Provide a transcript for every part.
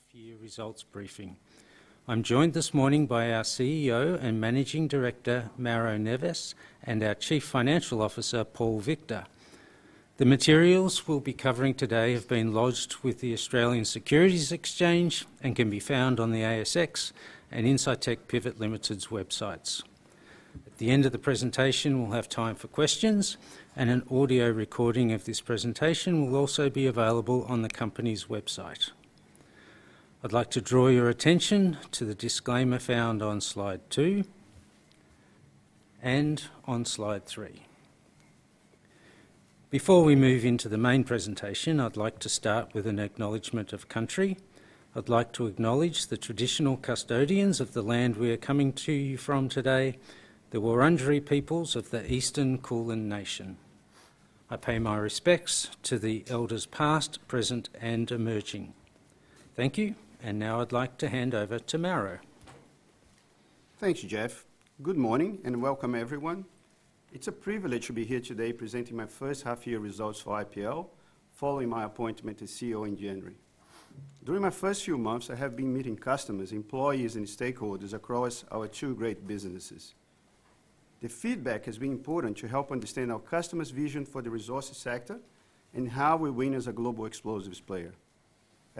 Half year results briefing. I'm joined this morning by our CEO and Managing Director, Mauro Neves, and our Chief Financial Officer, Paul Victor. The materials we'll be covering today have been lodged with the Australian Securities Exchange and can be found on the ASX and Incitec Pivot Limited's websites. At the end of the presentation, we'll have time for questions, and an audio recording of this presentation will also be available on the company's website. I'd like to draw your attention to the disclaimer found on slide two and on slide three. Before we move into the main presentation, I'd like to start with an acknowledgment of country. I'd like to acknowledge the traditional custodians of the land we are coming to you from today, the Wurundjeri peoples of the Eastern Kulin Nation. I pay my respects to the elders past, present, and emerging. Thank you. Now I'd like to hand over to Mauro. Thank you, Geoff. Good morning, and welcome, everyone. It's a privilege to be here today presenting my first half-year results for IPL, following my appointment as CEO in January. During my first few months, I have been meeting customers, employees, and stakeholders across our two great businesses. The feedback has been important to help understand our customers' vision for the resources sector and how we win as a global explosives player.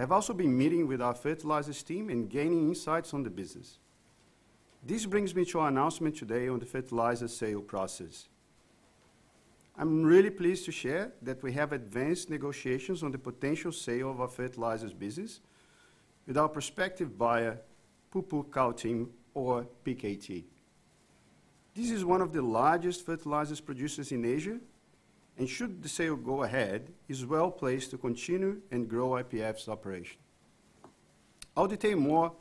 I've also been meeting with our fertilizers team and gaining insights on the business. This brings me to our announcement today on the fertilizers sale process. I'm really pleased to share that we have advanced negotiations on the potential sale of our fertilizers business with our prospective buyer, Pupuk Kaltim, or PKT. This is one of the largest fertilizers producers in Asia, and should the sale go ahead, is well-placed to continue and grow IPF's operation. I'll detail more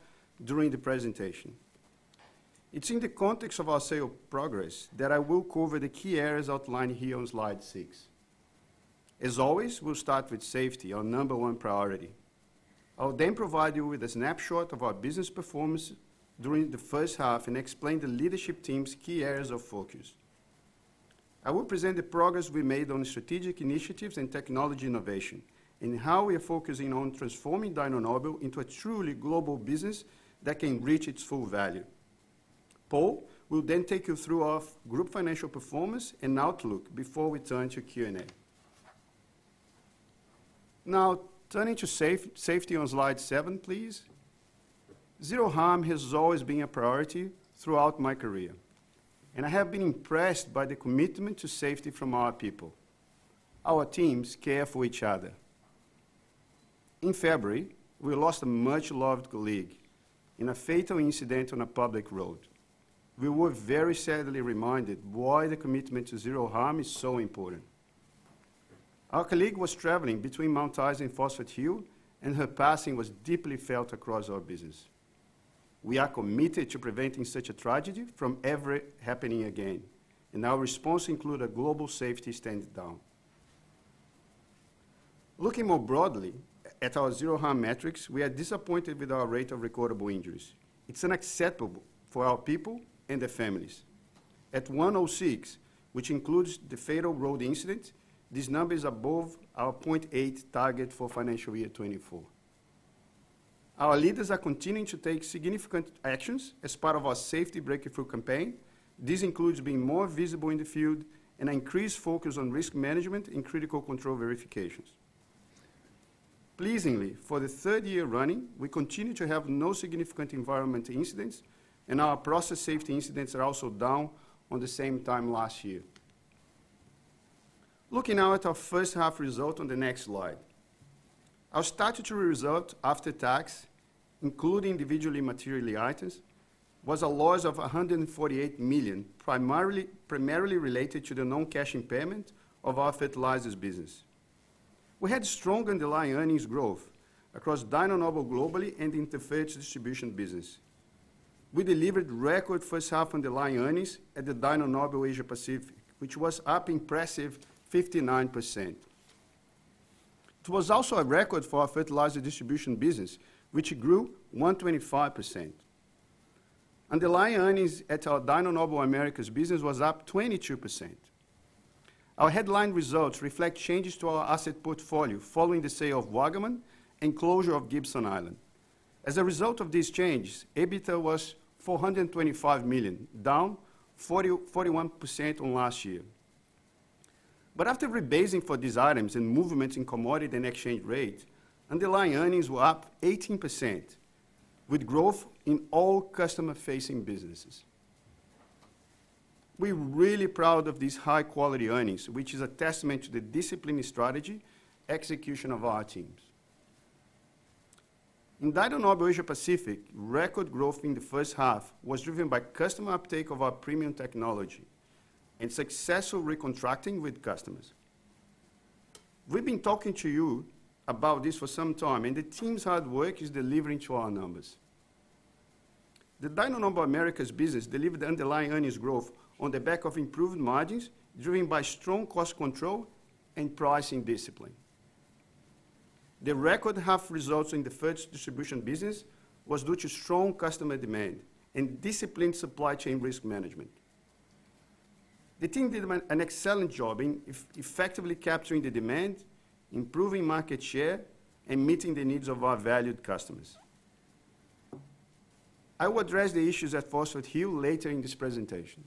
during the presentation. It's in the context of our sale progress that I will cover the key areas outlined here on Slide 6. As always, we'll start with safety, our number one priority. I'll then provide you with a snapshot of our business performance during the first half and explain the leadership team's key areas of focus. I will present the progress we made on strategic initiatives and technology innovation, and how we are focusing on transforming Dyno Nobel into a truly global business that can reach its full value. Paul will then take you through our group financial performance and outlook before we turn to Q&A. Now, turning to safety on Slide 7, please. Zero Harm has always been a priority throughout my career, and I have been impressed by the commitment to safety from our people. Our teams care for each other. In February, we lost a much-loved colleague in a fatal incident on a public road. We were very sadly reminded why the commitment to Zero Harm is so important. Our colleague was traveling between Mount Isa and Phosphate Hill, and her passing was deeply felt across our business. We are committed to preventing such a tragedy from ever happening again, and our response include a global safety stand down. Looking more broadly at our Zero Harm metrics, we are disappointed with our rate of recordable injuries. It's unacceptable for our people and their families. At 106, which includes the fatal road incident, this number is above our 0.8 target for financial year 2024. Our leaders are continuing to take significant actions as part of our Safety Breakthrough campaign. This includes being more visible in the field and increased focus on risk management and critical control verifications. Pleasingly, for the third year running, we continue to have no significant environmental incidents, and our process safety incidents are also down on the same time last year. Looking now at our first half result on the next slide. Our statutory result after tax, including individually material items, was a loss of 148 million, primarily related to the non-cash payment of our fertilizers business. We had strong underlying earnings growth across Dyno Nobel globally and in the Fertilizers Distribution business. We delivered record first half underlying earnings at the Dyno Nobel Asia Pacific, which was up impressive 59%. It was also a record for our Fertilizer Distribution business, which grew 125%. Underlying earnings at our Dyno Nobel Americas business was up 22%. Our headline results reflect changes to our asset portfolio following the sale of Waggaman and closure of Gibson Island. As a result of these changes, EBITDA was 425 million, down 41% on last year. But after rebasing for these items and movements in commodity and exchange rate, underlying earnings were up 18%, with growth in all customer-facing businesses. We're really proud of these high-quality earnings, which is a testament to the disciplined strategy execution of our teams. In Dyno Nobel Asia Pacific, record growth in the first half was driven by customer uptake of our premium technology and successful recontracting with customers. We've been talking to you about this for some time, and the team's hard work is delivering to our numbers. The Dyno Nobel Americas business delivered the underlying earnings growth on the back of improved margins, driven by strong cost control and pricing discipline. The record half results in the Fert distribution business was due to strong customer demand and disciplined supply chain risk management. The team did an excellent job in effectively capturing the demand, improving market share, and meeting the needs of our valued customers. I will address the issues at Phosphate Hill later in this presentation.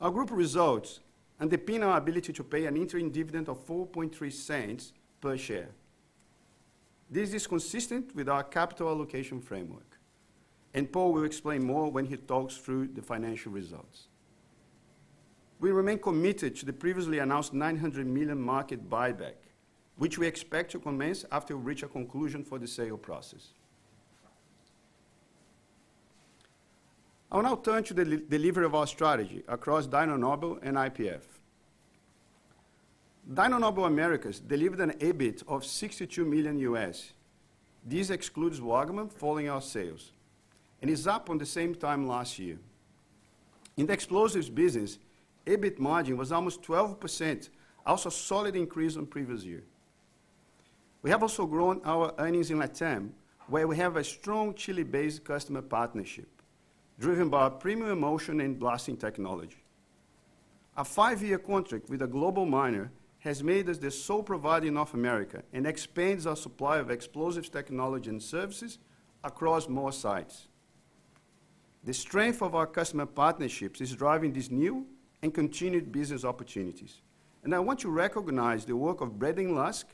Our group results underpin our ability to pay an interim dividend of 0.043 per share. This is consistent with our capital allocation framework, and Paul will explain more when he talks through the financial results. We remain committed to the previously announced 900 million market buyback, which we expect to commence after we reach a conclusion for the sale process. I will now turn to the delivery of our strategy across Dyno Nobel and IPF. Dyno Nobel Americas delivered an EBIT of $62 million. This excludes Waggaman following our sales, and is up on the same time last year. In the explosives business, EBIT margin was almost 12%, also solid increase on previous year. We have also grown our earnings in LATAM, where we have a strong Chile-based customer partnership, driven by our premium emulsion and blasting technology. A five-year contract with a global miner has made us the sole provider in North America and expands our supply of explosives, technology, and services across more sites. The strength of our customer partnerships is driving these new and continued business opportunities, and I want to recognize the work of Braden Lusk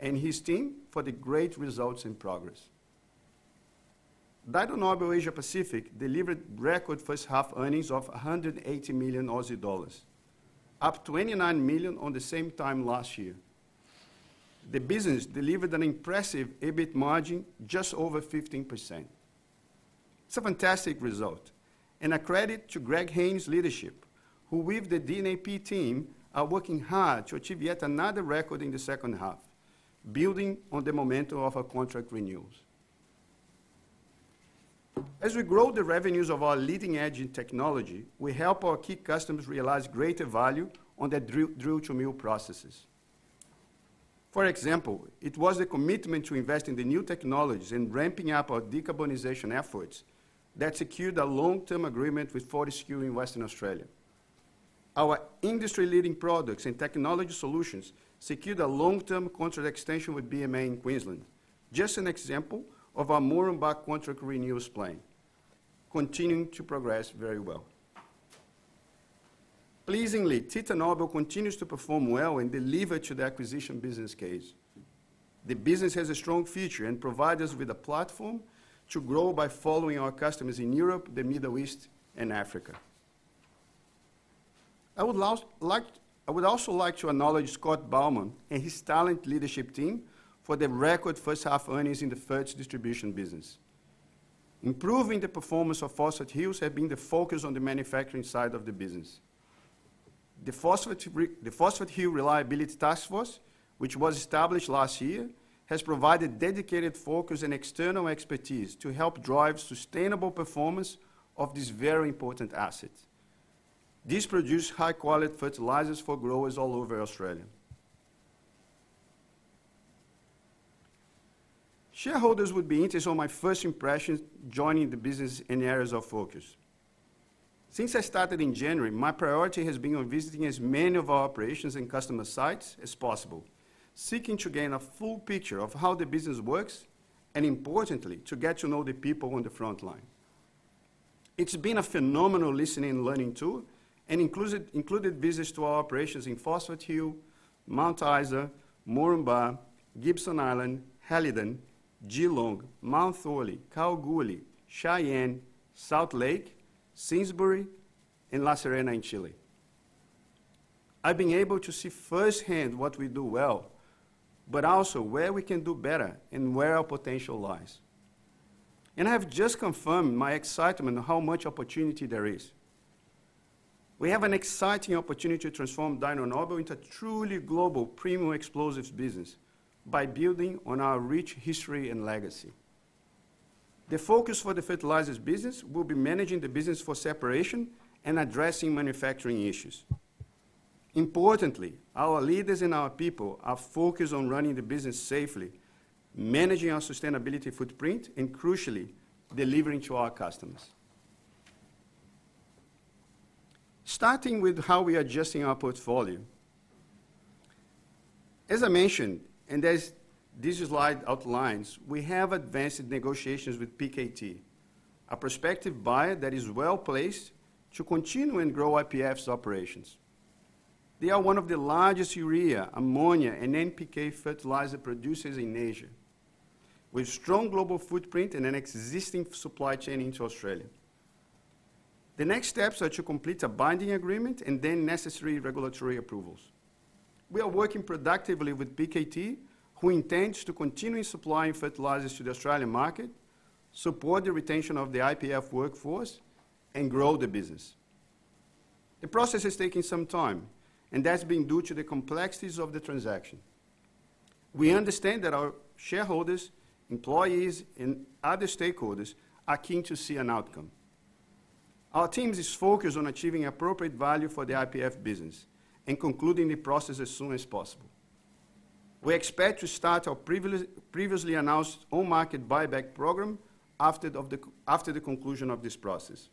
and his team for the great results and progress. Dyno Nobel Asia Pacific delivered record first half earnings of 180 million Aussie dollars, up 29 million on the same time last year. The business delivered an impressive EBIT margin just over 15%. It's a fantastic result and a credit to Greg Hayne's leadership, who, with the DNAP team, are working hard to achieve yet another record in the second half, building on the momentum of our contract renewals. As we grow the revenues of our leading-edge in technology, we help our key customers realize greater value on their drill, drill to mill processes. For example, it was a commitment to invest in the new technologies and ramping up our decarbonization efforts that secured a long-term agreement with Fortescue in Western Australia. Our industry-leading products and technology solutions secured a long-term contract extension with BMA in Queensland. Just an example of our Moranbah contract renewals plan, continuing to progress very well. Pleasingly, Titanobel continues to perform well and deliver to the acquisition business case. The business has a strong future and provide us with a platform to grow by following our customers in Europe, the Middle East, and Africa. I would also like to acknowledge Scott Bowman and his talented leadership team for the record first half earnings in the Fert Distribution business. Improving the performance of Phosphate Hill have been the focus on the manufacturing side of the business. The Phosphate Hill Reliability Task Force, which was established last year, has provided dedicated focus and external expertise to help drive sustainable performance of this very important asset. This produce high-quality fertilizers for growers all over Australia. Shareholders would be interested on my first impressions joining the business and areas of focus. Since I started in January, my priority has been on visiting as many of our operations and customer sites as possible, seeking to gain a full picture of how the business works, and importantly, to get to know the people on the frontline. It's been a phenomenal listening and learning tool, and included visits to our operations in Phosphate Hill, Mount Isa, Moranbah, Gibson Island, Helidon, Geelong, Mount Thorley, Kalgoorlie, Cheyenne, Salt Lake, Simsbury, and La Serena in Chile. I've been able to see firsthand what we do well, but also where we can do better and where our potential lies. I have just confirmed my excitement on how much opportunity there is. We have an exciting opportunity to transform Dyno Nobel into a truly global premium explosives business by building on our rich history and legacy. The focus for the fertilizers business will be managing the business for separation and addressing manufacturing issues. Importantly, our leaders and our people are focused on running the business safely, managing our sustainability footprint, and crucially, delivering to our customers. Starting with how we are adjusting our portfolio. As I mentioned, and as this slide outlines, we have advanced negotiations with PKT, a prospective buyer that is well-placed to continue and grow IPF's operations. They are one of the largest urea, ammonia, and NPK fertilizer producers in Asia, with strong global footprint and an existing supply chain into Australia. The next steps are to complete a binding agreement and then necessary regulatory approvals. We are working productively with PKT, who intends to continue supplying fertilizers to the Australian market, support the retention of the IPF workforce, and grow the business. The process is taking some time, and that's been due to the complexities of the transaction. We understand that our shareholders, employees, and other stakeholders are keen to see an outcome. Our team is focused on achieving appropriate value for the IPF business and concluding the process as soon as possible. We expect to start our previously announced on-market buyback program after the conclusion of this process.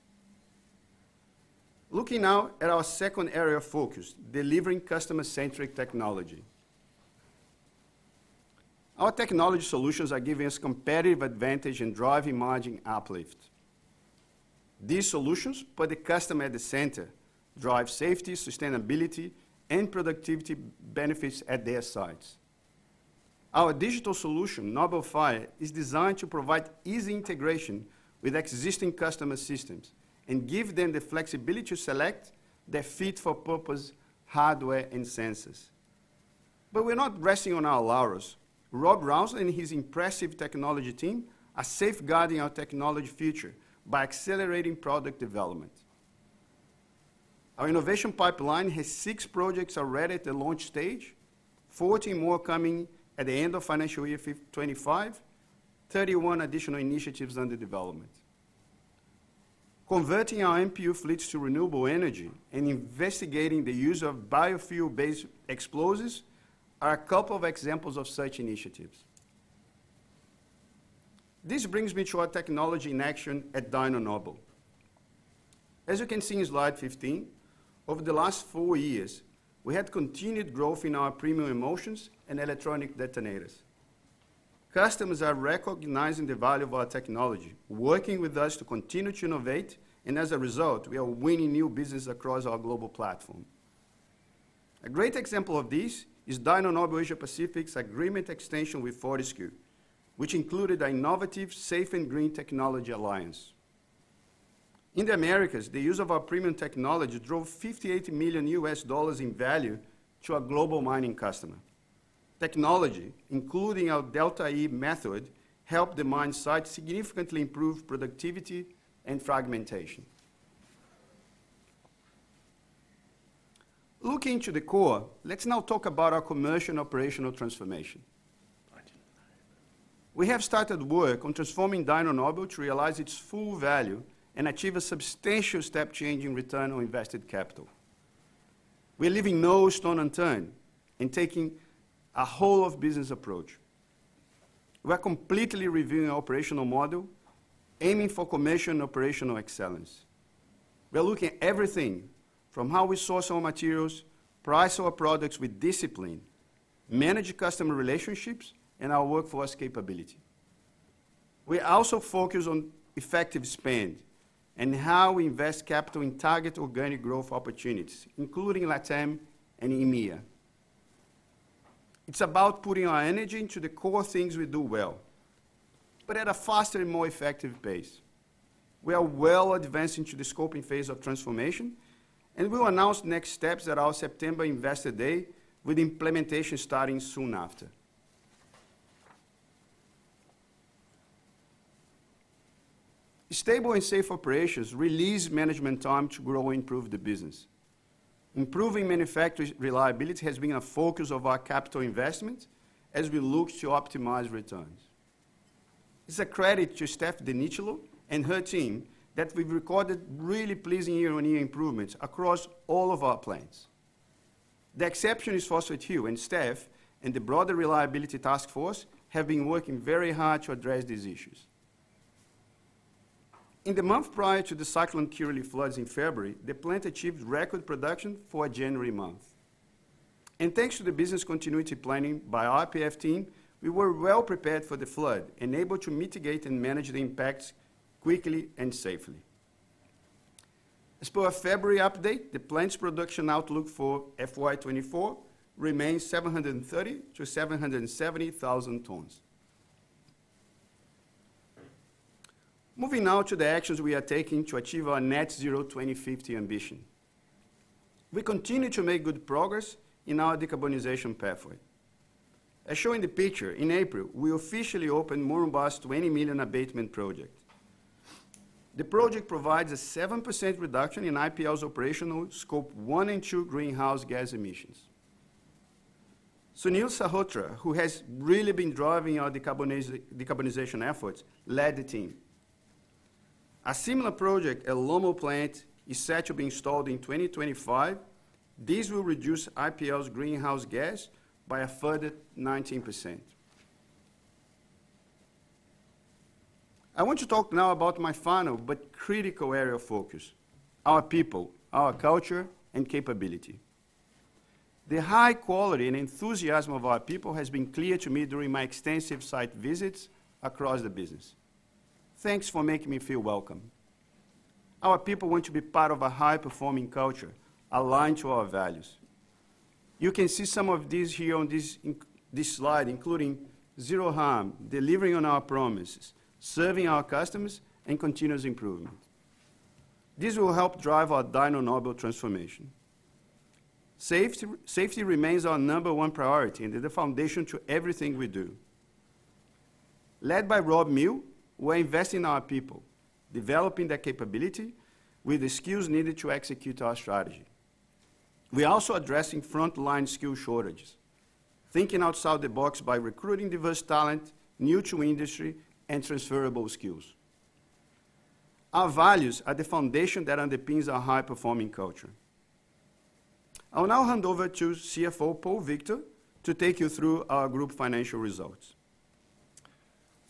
Looking now at our second area of focus, delivering customer-centric technology. Our technology solutions are giving us competitive advantage and driving margin uplift. These solutions put the customer at the center, drive safety, sustainability, and productivity benefits at their sites. Our digital solution, NobelFire, is designed to provide easy integration with existing customer systems and give them the flexibility to select their fit-for-purpose hardware and sensors. But we're not resting on our laurels. Rob Rounsley and his impressive technology team are safeguarding our technology future by accelerating product development. Our innovation pipeline has six projects already at the launch stage, 14 more coming at the end of financial year 2025, 31 additional initiatives under development. Converting our MPU fleets to renewable energy and investigating the use of biofuel-based explosives are a couple of examples of such initiatives. This brings me to our technology in action at Dyno Nobel. As you can see in Slide 15, over the last four years, we had continued growth in our premium emulsions and electronic detonators. Customers are recognizing the value of our technology, working with us to continue to innovate, and as a result, we are winning new business across our global platform. A great example of this is Dyno Nobel Asia Pacific's agreement extension with Fortescue, which included an innovative, safe, and green technology alliance. In the Americas, the use of our premium technology drove $58 million in value to a global mining customer. Technology, including our Delta E method, helped the mine site significantly improve productivity and fragmentation. Looking to the core, let's now talk about our commercial and operational transformation. We have started work on transforming Dyno Nobel to realize its full value and achieve a substantial step change in return on invested capital. We are leaving no stone unturned in taking a whole of business approach. We're completely reviewing our operational model, aiming for commercial and operational excellence. We are looking at everything, from how we source our materials, price our products with discipline, manage customer relationships, and our workforce capability. We are also focused on effective spend and how we invest capital in target organic growth opportunities, including LATAM and EMEA. It's about putting our energy into the core things we do well, but at a faster and more effective pace. We are well advanced into the scoping phase of transformation, and we will announce next steps at our September Investor Day, with implementation starting soon after. Stable and safe operations release management time to grow and improve the business. Improving manufacturing reliability has been a focus of our capital investment as we look to optimize returns. It's a credit to Stef Di Nicolo and her team that we've recorded really pleasing year-on-year improvements across all of our plants. The exception is Phosphate Hill, and Steph and the broader reliability task force have been working very hard to address these issues. In the month prior to the Cyclone Kirrily floods in February, the plant achieved record production for a January month. Thanks to the business continuity planning by our IPF team, we were well prepared for the flood and able to mitigate and manage the impacts quickly and safely. As per our February update, the plant's production outlook for FY 2024 remains 730,000-770,000 tons. Moving now to the actions we are taking to achieve our net zero 2050 ambition. We continue to make good progress in our decarbonization pathway. As shown in the picture, in April, we officially opened Moranbah's 20 million abatement project. The project provides a 7% reduction in IPL's operational scope one and two greenhouse gas emissions. Sunil Malhotra, who has really been driving our decarbonization efforts, led the team. A similar project at LOMO plant is set to be installed in 2025. This will reduce IPL's greenhouse gas by a further 19%. I want to talk now about my final but critical area of focus: our people, our culture, and capability. The high quality and enthusiasm of our people has been clear to me during my extensive site visits across the business. Thanks for making me feel welcome. Our people want to be part of a high-performing culture aligned to our values. You can see some of these here on this slide, including Zero Harm, delivering on our promises, serving our customers, and continuous improvement. This will help drive our Dyno Nobel transformation. Safety, safety remains our number one priority, and the foundation to everything we do. Led by Rob Milne, we're investing in our people, developing their capability with the skills needed to execute our strategy. We are also addressing frontline skill shortages, thinking outside the box by recruiting diverse talent, new to industry, and transferable skills. Our values are the foundation that underpins our high-performing culture. I'll now hand over to CFO, Paul Victor, to take you through our group financial results.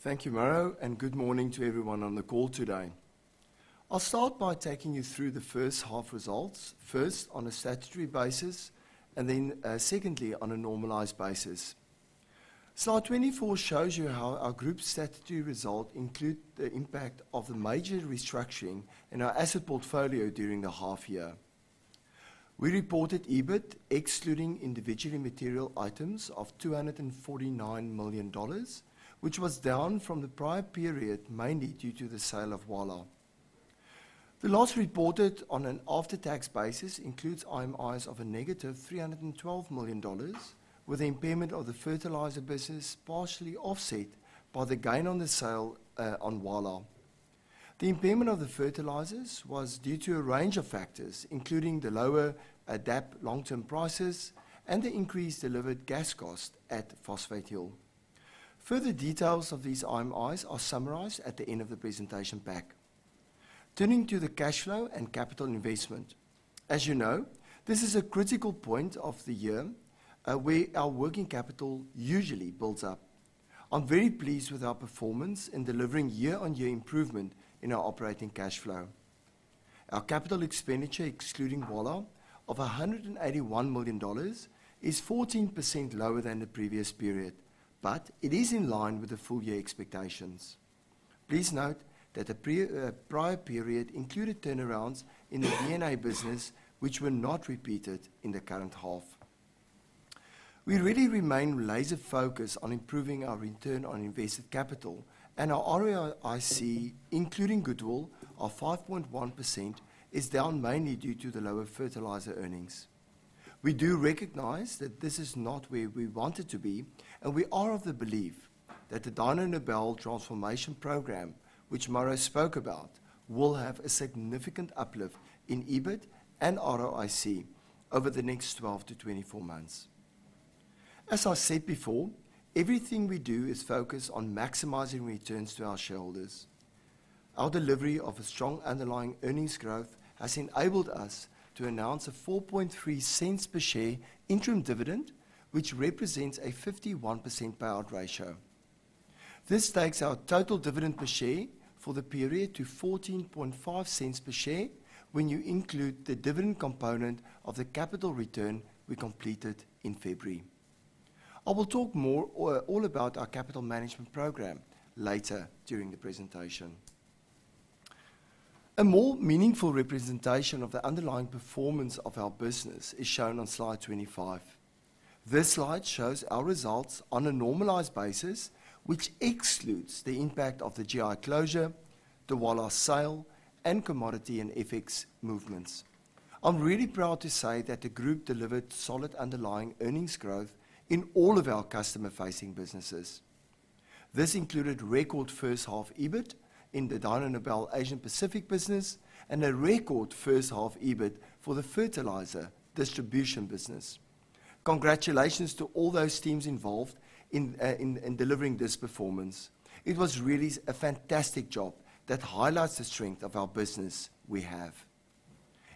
Thank you, Mauro, and good morning to everyone on the call today. I'll start by taking you through the first half results, first, on a statutory basis, and then, secondly, on a normalized basis. Slide 24 shows you how our group's statutory result include the impact of the major restructuring in our asset portfolio during the half year. We reported EBIT, excluding individually material items, of 249 million dollars, which was down from the prior period, mainly due to the sale of Waggaman. The loss reported on an after-tax basis includes IMIs of a negative 312 million dollars, with the impairment of the fertilizer business partially offset by the gain on the sale, on Waggaman. The impairment of the fertilizers was due to a range of factors, including the lower DAP long-term prices and the increased delivered gas cost at Phosphate Hill. Further details of these IMIs are summarized at the end of the presentation pack. Turning to the cash flow and capital investment, as you know, this is a critical point of the year, where our working capital usually builds up. I'm very pleased with our performance in delivering year-on-year improvement in our operating cash flow. Our capital expenditure, excluding WALA, of 181 million dollars, is 14% lower than the previous period, but it is in line with the full year expectations. Please note that the prior period included turnarounds in the DNA business, which were not repeated in the current half. We really remain laser-focused on improving our return on invested capital, and our ROIC, including goodwill, of 5.1%, is down mainly due to the lower fertilizer earnings. We do recognize that this is not where we wanted to be, and we are of the belief that the Dyno Nobel Transformation Program, which Mauro spoke about, will have a significant uplift in EBIT and ROIC over the next 12-24 months. As I said before, everything we do is focused on maximizing returns to our shareholders. Our delivery of a strong underlying earnings growth has enabled us to announce a 0.043 per share interim dividend, which represents a 51% payout ratio. This takes our total dividend per share for the period to 0.145 per share when you include the dividend component of the capital return we completed in February. I will talk more or all about our capital management program later during the presentation. A more meaningful representation of the underlying performance of our business is shown on Slide 25. This slide shows our results on a normalized basis, which excludes the impact of the GI closure, the Waggaman sale, and commodity and FX movements. I'm really proud to say that the group delivered solid underlying earnings growth in all of our customer-facing businesses. This included record first half EBIT in the Dyno Nobel Asia Pacific business, and a record first half EBIT for the fertilizer distribution business. Congratulations to all those teams involved in delivering this performance. It was really a fantastic job that highlights the strength of our business we have.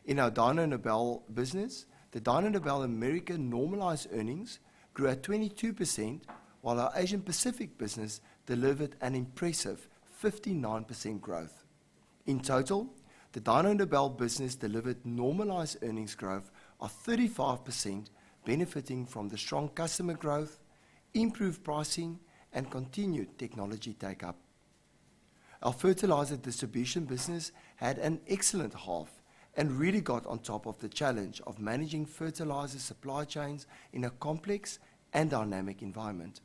In our Dyno Nobel business, the Dyno Nobel Americas normalized earnings grew at 22%, while our Asia Pacific business delivered an impressive 59% growth. In total, the Dyno Nobel business delivered normalized earnings growth of 35%, benefiting from the strong customer growth, improved pricing, and continued technology take-up. Our fertilizer distribution business had an excellent half and really got on top of the challenge of managing fertilizer supply chains in a complex and dynamic environment.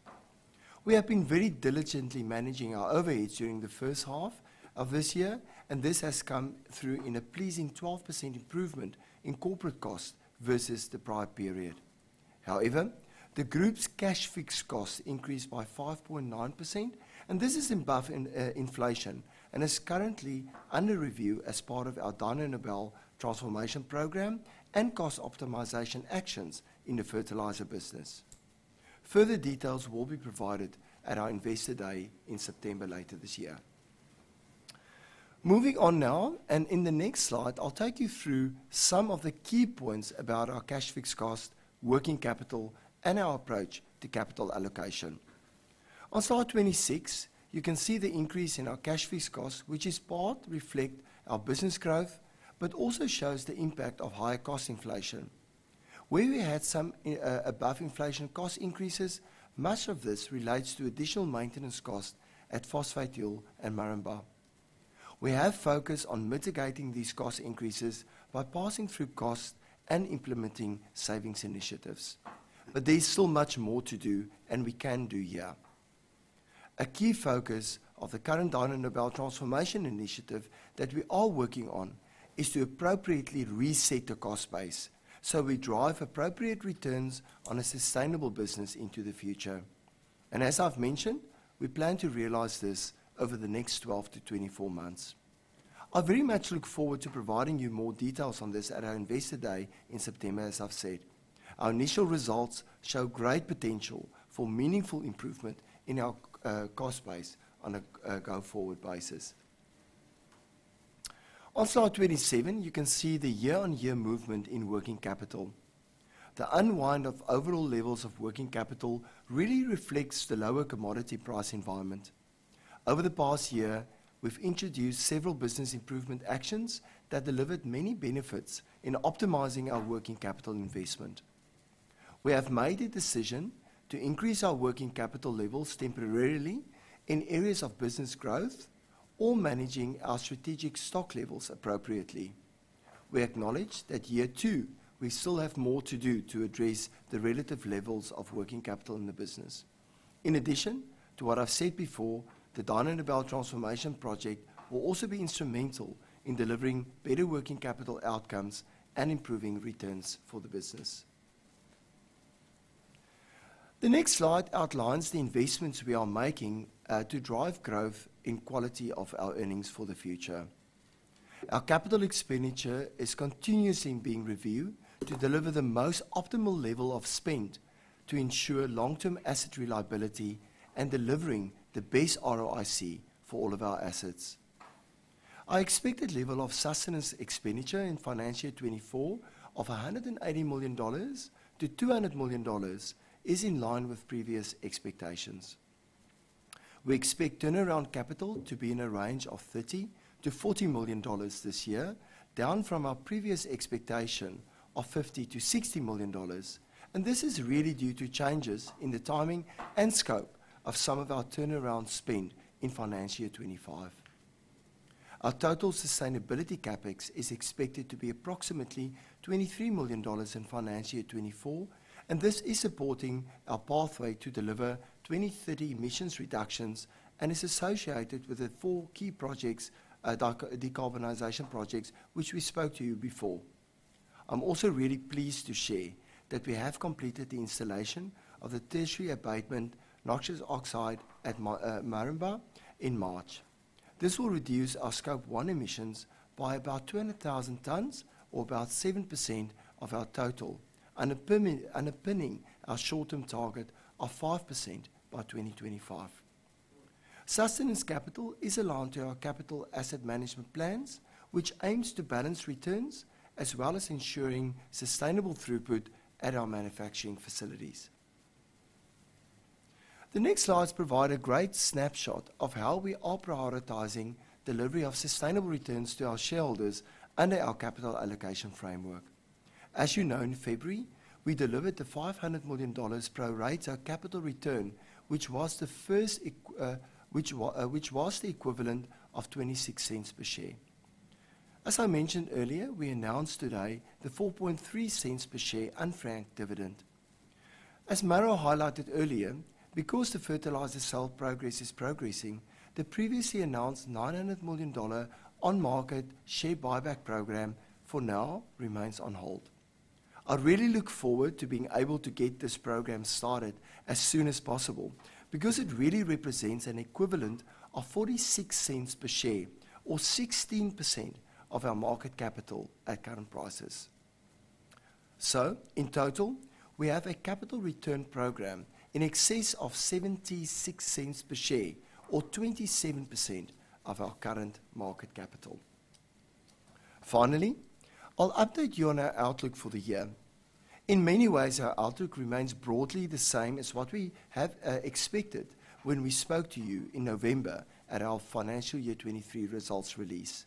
We have been very diligently managing our overheads during the first half of this year, and this has come through in a pleasing 12% improvement in corporate costs versus the prior period. However, the group's cash fixed costs increased by 5.9%, and this is above inflation and is currently under review as part of our Dyno Nobel Transformation program and cost optimization actions in the fertilizer business. Further details will be provided at our Investor Day in September, later this year. Moving on now, and in the next slide, I'll take you through some of the key points about our cash fixed cost, working capital, and our approach to capital allocation. On Slide 26, you can see the increase in our cash fixed cost, which is part reflect our business growth, but also shows the impact of higher cost inflation. Where we had some above inflation cost increases, much of this relates to additional maintenance costs at Phosphate Hill and Moranbah. We have focused on mitigating these cost increases by passing through costs and implementing savings initiatives, but there is still much more to do, and we can do here. A key focus of the current Dyno Nobel Transformation initiative that we are working on is to appropriately reset the cost base, so we drive appropriate returns on a sustainable business into the future. And as I've mentioned, we plan to realize this over the next 12-24 months. I very much look forward to providing you more details on this at our Investor Day in September as I've said. Our initial results show great potential for meaningful improvement in our cost base on a go-forward basis. On Slide 27, you can see the year-on-year movement in working capital. The unwind of overall levels of working capital really reflects the lower commodity price environment. Over the past year, we've introduced several business improvement actions that delivered many benefits in optimizing our working capital investment. We have made a decision to increase our working capital levels temporarily in areas of business growth or managing our strategic stock levels appropriately. We acknowledge that year two, we still have more to do to address the relative levels of working capital in the business. In addition to what I've said before, the Dyno Nobel transformation project will also be instrumental in delivering better working capital outcomes and improving returns for the business. The next slide outlines the investments we are making to drive growth and quality of our earnings for the future. Our capital expenditure is continuously being reviewed to deliver the most optimal level of spend to ensure long-term asset reliability and delivering the best ROIC for all of our assets. Our expected level of sustenance expenditure in financial year 2024 of 180 million-200 million dollars is in line with previous expectations. We expect turnaround capital to be in a range of 30 million-40 million dollars this year, down from our previous expectation of 50 million-60 million dollars, and this is really due to changes in the timing and scope of some of our turnaround spend in financial year 2025. Our total sustainability CapEx is expected to be approximately 23 million dollars in financial year 2024, and this is supporting our pathway to deliver 2030 emissions reductions and is associated with the four key projects, decarbonization projects, which we spoke to you before. I'm also really pleased to share that we have completed the installation of the tertiary abatement nitrous oxide at Moranbah in March. This will reduce our scope one emissions by about 200,000 tons or about 7% of our total, underpinning our short-term target of 5% by 2025. Sustenance capital is aligned to our capital asset management plans, which aims to balance returns, as well as ensuring sustainable throughput at our manufacturing facilities. The next slides provide a great snapshot of how we are prioritizing delivery of sustainable returns to our shareholders under our capital allocation framework. As you know, in February, we delivered the 500 million dollars pro rata capital return, which was the equivalent of 0.26 per share. As I mentioned earlier, we announced today the 0.043 per share unfranked dividend. As Mauro highlighted earlier, because the fertilizer sale progress is progressing, the previously announced 900 million dollar on-market share buyback program for now remains on hold. I really look forward to being able to get this program started as soon as possible because it really represents an equivalent of 0.46 per share or 16% of our market capital at current prices. So in total, we have a capital return program in excess of 0.76 per share or 27% of our current market capital. Finally, I'll update you on our outlook for the year. In many ways, our outlook remains broadly the same as what we have expected when we spoke to you in November at our financial year 2023 results release.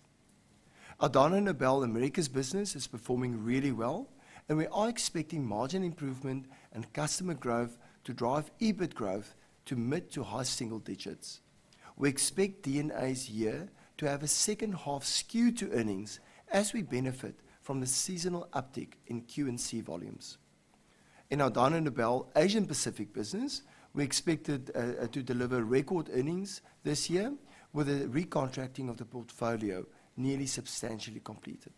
Our Dyno Nobel Americas business is performing really well, and we are expecting margin improvement and customer growth to drive EBIT growth to mid to high single digits. We expect DNA's year to have a second half skew to earnings as we benefit from the seasonal uptick in Q&C volumes. In our Dyno Nobel Asia Pacific business, we expected to deliver record earnings this year with a recontracting of the portfolio nearly substantially completed.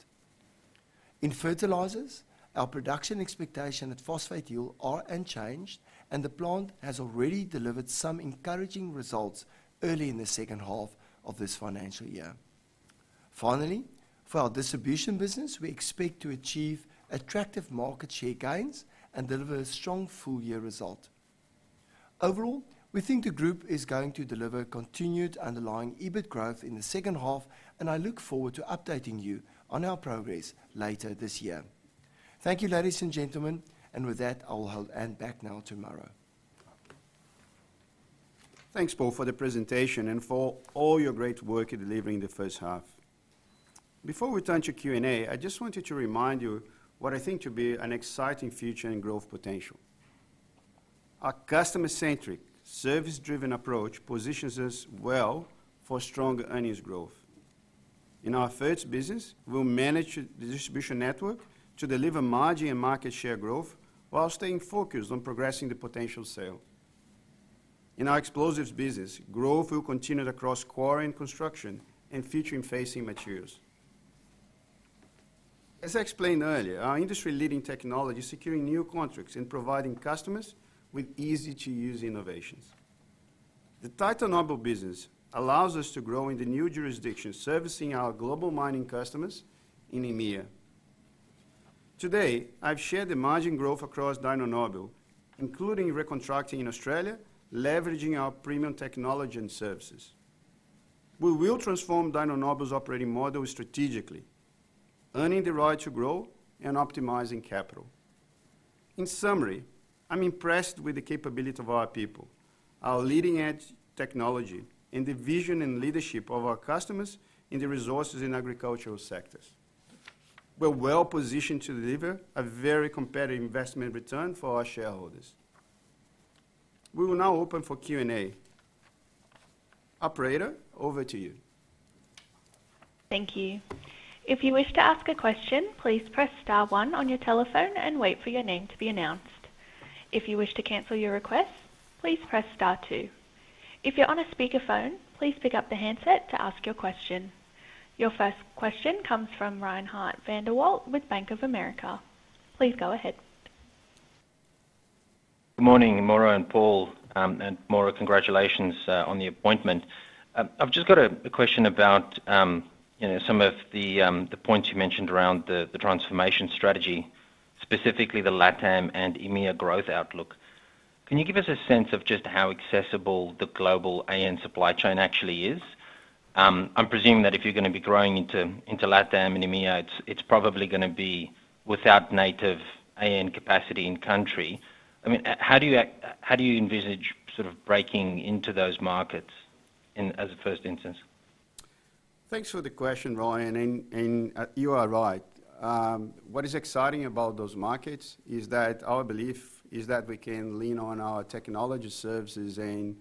In fertilizers, our production expectation at Phosphate Hill are unchanged, and the plant has already delivered some encouraging results early in the second half of this financial year. Finally, for our distribution business, we expect to achieve attractive market share gains and deliver a strong full-year result. Overall, we think the group is going to deliver continued underlying EBIT growth in the second half, and I look forward to updating you on our progress later this year. Thank you, ladies and gentlemen. With that, I will hand back now to Mauro. Thanks, Paul, for the presentation and for all your great work in delivering the first half. Before we turn to Q&A, I just wanted to remind you what I think to be an exciting future and growth potential. Our customer-centric, service-driven approach positions us well for stronger earnings growth. In our fertilizer business, we'll manage the distribution network to deliver margin and market share growth while staying focused on progressing the potential sale. In our explosives business, growth will continue across quarry and construction and future-facing materials. As I explained earlier, our industry-leading technology is securing new contracts and providing customers with easy-to-use innovations. The Titanobel business allows us to grow in the new jurisdictions, servicing our global mining customers in EMEA. Today, I've shared the margin growth across Dyno Nobel, including recontracting in Australia, leveraging our premium technology and services. We will transform Dyno Nobel's operating model strategically, earning the right to grow and optimizing capital. In summary, I'm impressed with the capability of our people, our leading-edge technology, and the vision and leadership of our customers in the resources and agricultural sectors. We're well positioned to deliver a very competitive investment return for our shareholders. We will now open for Q&A. Operator, over to you. Thank you. If you wish to ask a question, please press star one on your telephone and wait for your name to be announced. If you wish to cancel your request, please press star two. If you're on a speakerphone, please pick up the handset to ask your question. Your first question comes from Reinhardt van der Walt with Bank of America. Please go ahead. Good morning, Mauro and Paul. And Mauro, congratulations on the appointment. I've just got a question about, you know, some of the points you mentioned around the transformation strategy, specifically the LATAM and EMEA growth outlook. Can you give us a sense of just how accessible the global AN supply chain actually is? I'm presuming that if you're gonna be growing into LATAM and EMEA, it's probably gonna be without native AN capacity in country. I mean, how do you envisage sort of breaking into those markets in as a first instance? Thanks for the question, Ryan. You are right. What is exciting about those markets is that our belief is that we can lean on our technology services and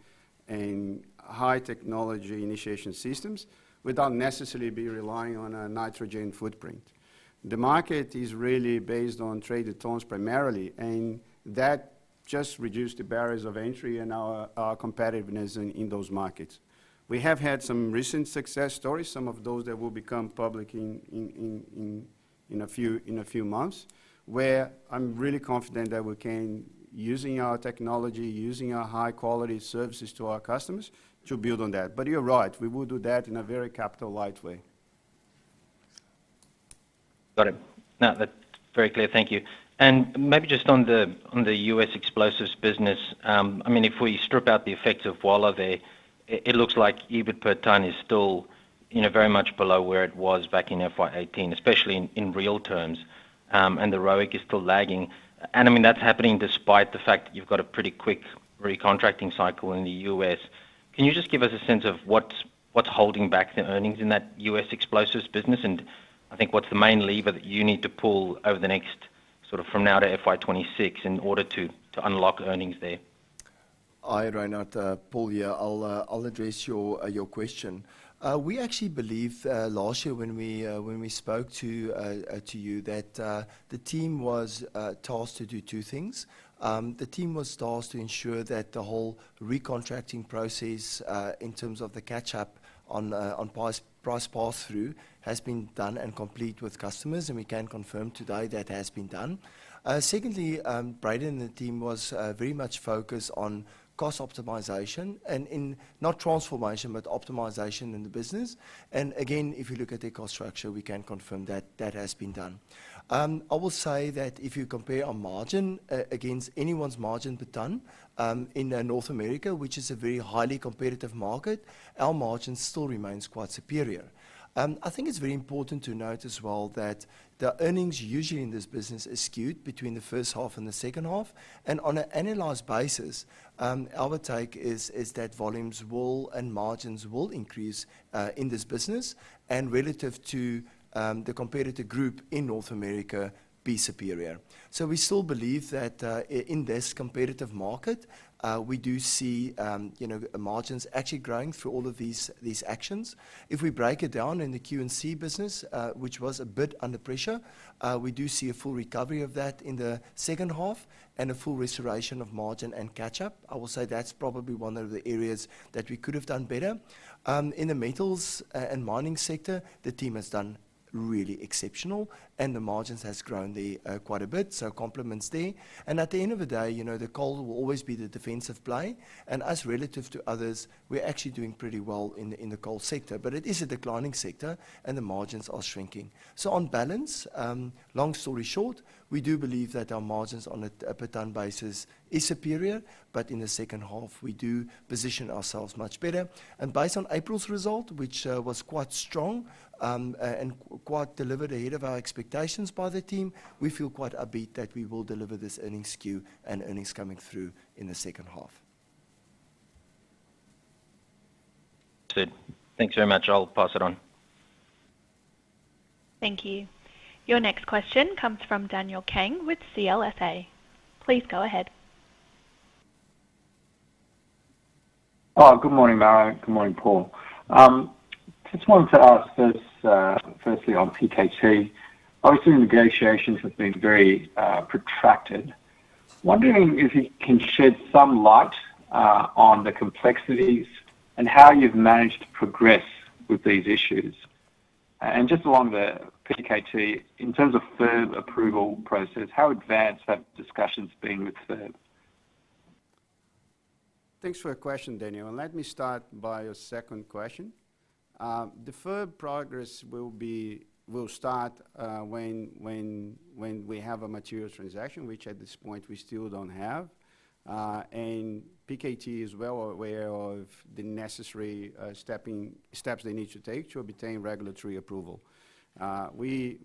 high technology initiation systems without necessarily be relying on a nitrogen footprint. The market is really based on traded tons primarily, and that just reduced the barriers of entry and our competitiveness in those markets. We have had some recent success stories, some of those that will become public in a few months, where I'm really confident that we can, using our technology, using our high-quality services to our customers, to build on that. But you're right, we will do that in a very capital light way. Got it. No, that's very clear. Thank you. And maybe just on the, on the US explosives business, I mean, if we strip out the effects of WALA there, it looks like EBIT per ton is still, you know, very much below where it was back in FY 2018, especially in, in real terms, and the ROIC is still lagging. And, I mean, that's happening despite the fact that you've got a pretty quick recontracting cycle in the U.S. Can you just give us a sense of what's, what's holding back the earnings in that U.S. explosives business? And I think what's the main lever that you need to pull over the next, sort of from now to FY 2026, in order to, to unlock earnings there? Hi, Reinhardt, Paul here. I'll address your question. We actually believe, last year when we spoke to you, that the team was tasked to do two things. The team was tasked to ensure that the whole recontracting process, in terms of the catch-up on price pass-through, has been done and complete with customers, and we can confirm today that has been done. Secondly, Braden and the team was very much focused on cost optimization and, not transformation, but optimization in the business. Again, if you look at the cost structure, we can confirm that that has been done. I will say that if you compare our margin against anyone's margin per ton, in North America, which is a very highly competitive market, our margin still remains quite superior. I think it's very important to note as well that the earnings usually in this business are skewed between the first half and the second half, and on an annualized basis, our take is that volumes will and margins will increase in this business and relative to the competitor group in North America, be superior. So we still believe that in this competitive market, we do see, you know, margins actually growing through all of these actions. If we break it down in the Q&C business, which was a bit under pressure, we do see a full recovery of that in the second half and a full restoration of margin and catch-up. I will say that's probably one of the areas that we could have done better. In the metals and mining sector, the team has done really exceptional, and the margins has grown there, quite a bit, so compliments there. And at the end of the day, you know, the coal will always be the defensive play, and us relative to others, we're actually doing pretty well in the coal sector. But it is a declining sector, and the margins are shrinking. On balance, long story short, we do believe that our margins on a per ton basis is superior, but in the second half, we do position ourselves much better. Based on April's result, which was quite strong, and quite delivered ahead of our expectations by the team, we feel quite upbeat that we will deliver this earnings skew and earnings coming through in the second half. Good. Thanks very much. I'll pass it on. Thank you. Your next question comes from Daniel Kang with CLSA. Please go ahead. Good morning, Mauro, and good morning, Paul. Just wanted to ask this, firstly on PKT. Obviously, negotiations have been very protracted. Wondering if you can shed some light on the complexities and how you've managed to progress with these issues? And just along the PKT, in terms of FIRB approval process, how advanced have discussions been with FIRB? Thanks for your question, Daniel, and let me start by your second question. The FIRB progress will start when we have a material transaction, which at this point, we still don't have. And PKT is well aware of the necessary steps they need to take to obtain regulatory approval. We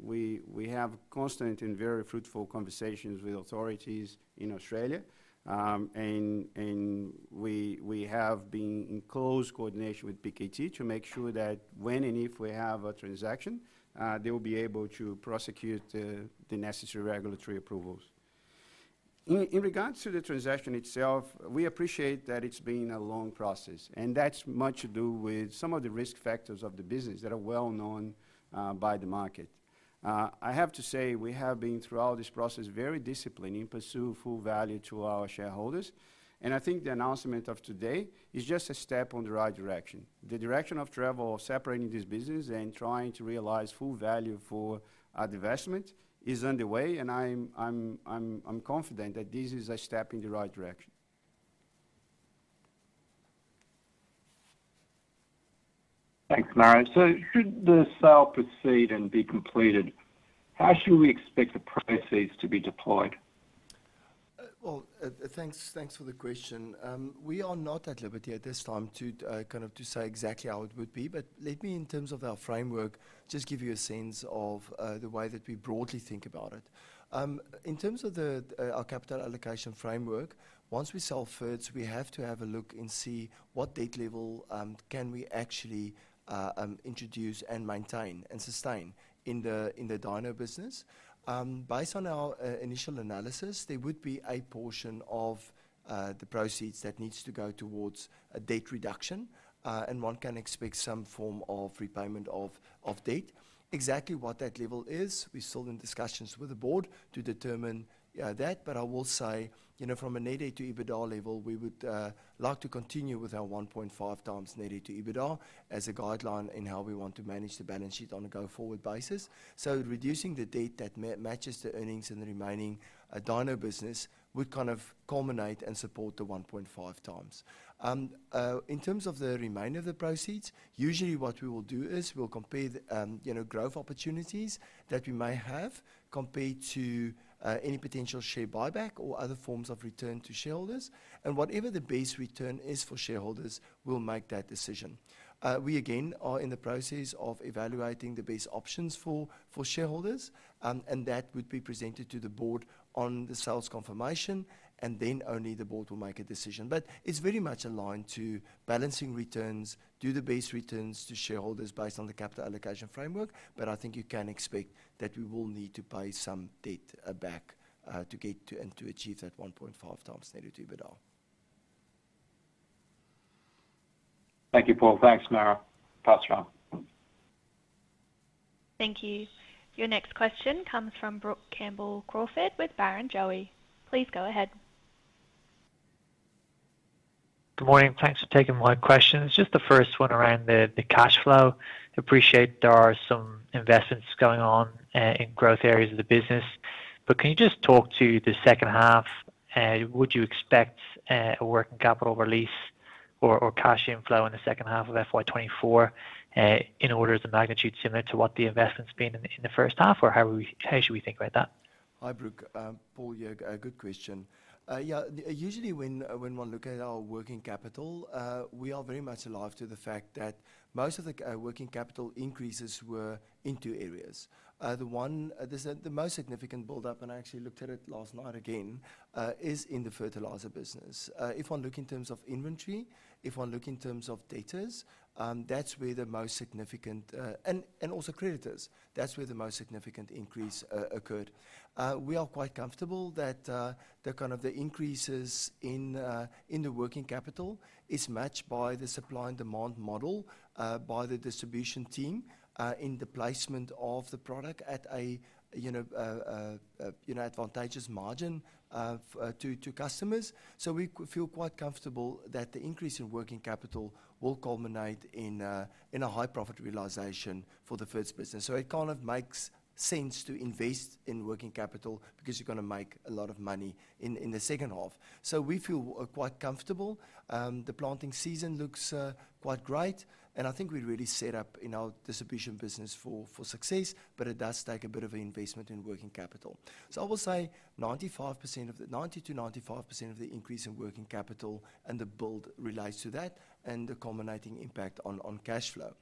have constant and very fruitful conversations with authorities in Australia, and we have been in close coordination with PKT to make sure that when and if we have a transaction, they will be able to prosecute the necessary regulatory approvals. In regards to the transaction itself, we appreciate that it's been a long process, and that's much to do with some of the risk factors of the business that are well known by the market. I have to say, we have been, throughout this process, very disciplined in pursuing full value to our shareholders, and I think the announcement of today is just a step on the right direction. The direction of travel of separating this business and trying to realize full value for our divestment is underway, and I'm confident that this is a step in the right direction. Thanks, Mauro. Should the sale proceed and be completed, how should we expect the proceeds to be deployed? Well, thanks, thanks for the question. We are not at liberty at this time to kind of to say exactly how it would be, but let me, in terms of our framework, just give you a sense of the way that we broadly think about it. In terms of the our capital allocation framework, once we sell ferts, we have to have a look and see what debt level can we actually introduce and maintain and sustain in the in the dyno business. Based on our initial analysis, there would be a portion of the proceeds that needs to go towards a debt reduction, and one can expect some form of repayment of of debt. Exactly what that level is, we're still in discussions with the board to determine that, but I will say, you know, from a net debt to EBITDA level, we would like to continue with our 1.5x net debt to EBITDA as a guideline in how we want to manage the balance sheet on a go-forward basis. So reducing the debt that matches the earnings in the remaining Dyno business would kind of culminate and support the 1.5x. In terms of the remainder of the proceeds, usually what we will do is we'll compare the, you know, growth opportunities that we may have compared to any potential share buyback or other forms of return to shareholders, and whatever the base return is for shareholders, we'll make that decision. We again are in the process of evaluating the base options for shareholders, and that would be presented to the board on the sales confirmation, and then only the board will make a decision. But it's very much aligned to balancing returns, do the base returns to shareholders based on the capital allocation framework, but I think you can expect that we will need to pay some debt back to get to and to achieve that 1.5x net debt to EBITDA. Thank you, Paul. Thanks, Mauro. Pass round. Thank you. Your next question comes from Brooke Campbell-Crawford with Barrenjoey. Please go ahead. Good morning. Thanks for taking my question. It's just the first one around the cash flow. Appreciate there are some investments going on in growth areas of the business, but can you just talk to the second half? Would you expect a working capital release or cash inflow in the second half of FY 2024, in order of the magnitude similar to what the investment's been in the first half, or how should we think about that? Hi, Brooke. Paul here. Good question. Yeah, usually when, when one look at our working capital, we are very much alive to the fact that most of the working capital increases were in two areas. The one, the most significant build-up, and I actually looked at it last night again, is in the fertilizer business. If one look in terms of inventory, if one look in terms of debtors, that's where the most significant, and also creditors, that's where the most significant increase occurred. We are quite comfortable that the kind of the increases in the working capital is matched by the supply and demand model by the distribution team in the placement of the product at a, you know, advantageous margin to customers. So we feel quite comfortable that the increase in working capital will culminate in a high profit realization for the first business. So it kind of makes sense to invest in working capital because you're gonna make a lot of money in the second half. So we feel quite comfortable. The planting season looks quite great, and I think we're really set up in our distribution business for success, but it does take a bit of an investment in working capital. So I will say 95% of the... 90%-95% of the increase in working capital and the build relates to that and the culminating impact on cash flow.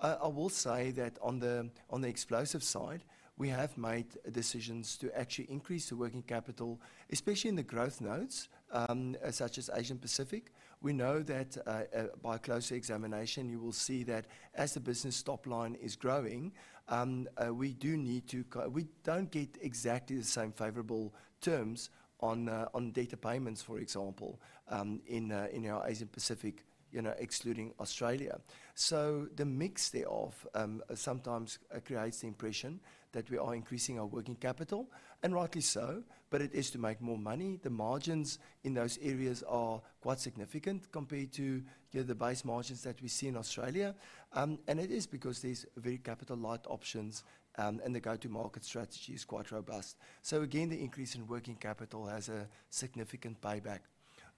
I will say that on the explosives side, we have made decisions to actually increase the working capital, especially in the growth nodes, such as Asia Pacific. We know that by closer examination, you will see that as the business top line is growing, we do need to, we don't get exactly the same favorable terms on debtor payments, for example, in our Asia Pacific, you know, excluding Australia. So the mix thereof sometimes creates the impression that we are increasing our working capital, and rightly so, but it is to make more money. The margins in those areas are quite significant compared to, you know, the base margins that we see in Australia. And it is because there's very capital light options, and the go-to market strategy is quite robust. So again, the increase in working capital has a significant payback....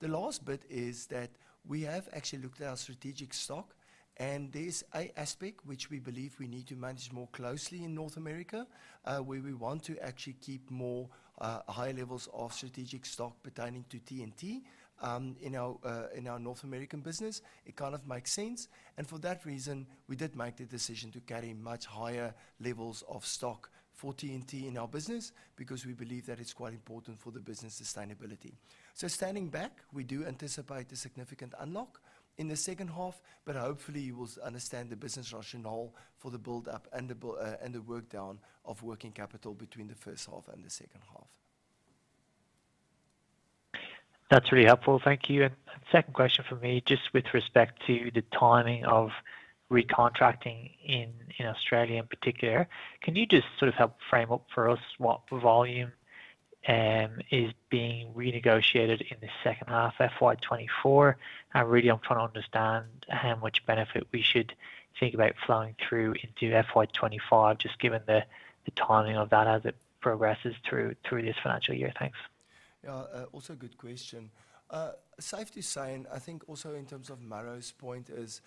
The last bit is that we have actually looked at our strategic stock, and there's an aspect which we believe we need to manage more closely in North America, where we want to actually keep more, high levels of strategic stock pertaining to TNT, in our North American business. It kind of makes sense, and for that reason, we did make the decision to carry much higher levels of stock for TNT in our business because we believe that it's quite important for the business sustainability. Standing back, we do anticipate a significant unlock in the second half, but hopefully you will understand the business rationale for the build-up and the work down of working capital between the first half and the second half. That's really helpful. Thank you. And second question for me, just with respect to the timing of recontracting in, in Australia in particular, can you just sort of help frame up for us what volume is being renegotiated in the second half, FY 2024? I really, I'm trying to understand how much benefit we should think about flowing through into FY 2025, just given the timing of that as it progresses through this financial year. Thanks. Yeah, also good question. Safe to say, and I think also in terms of Mauro's point is,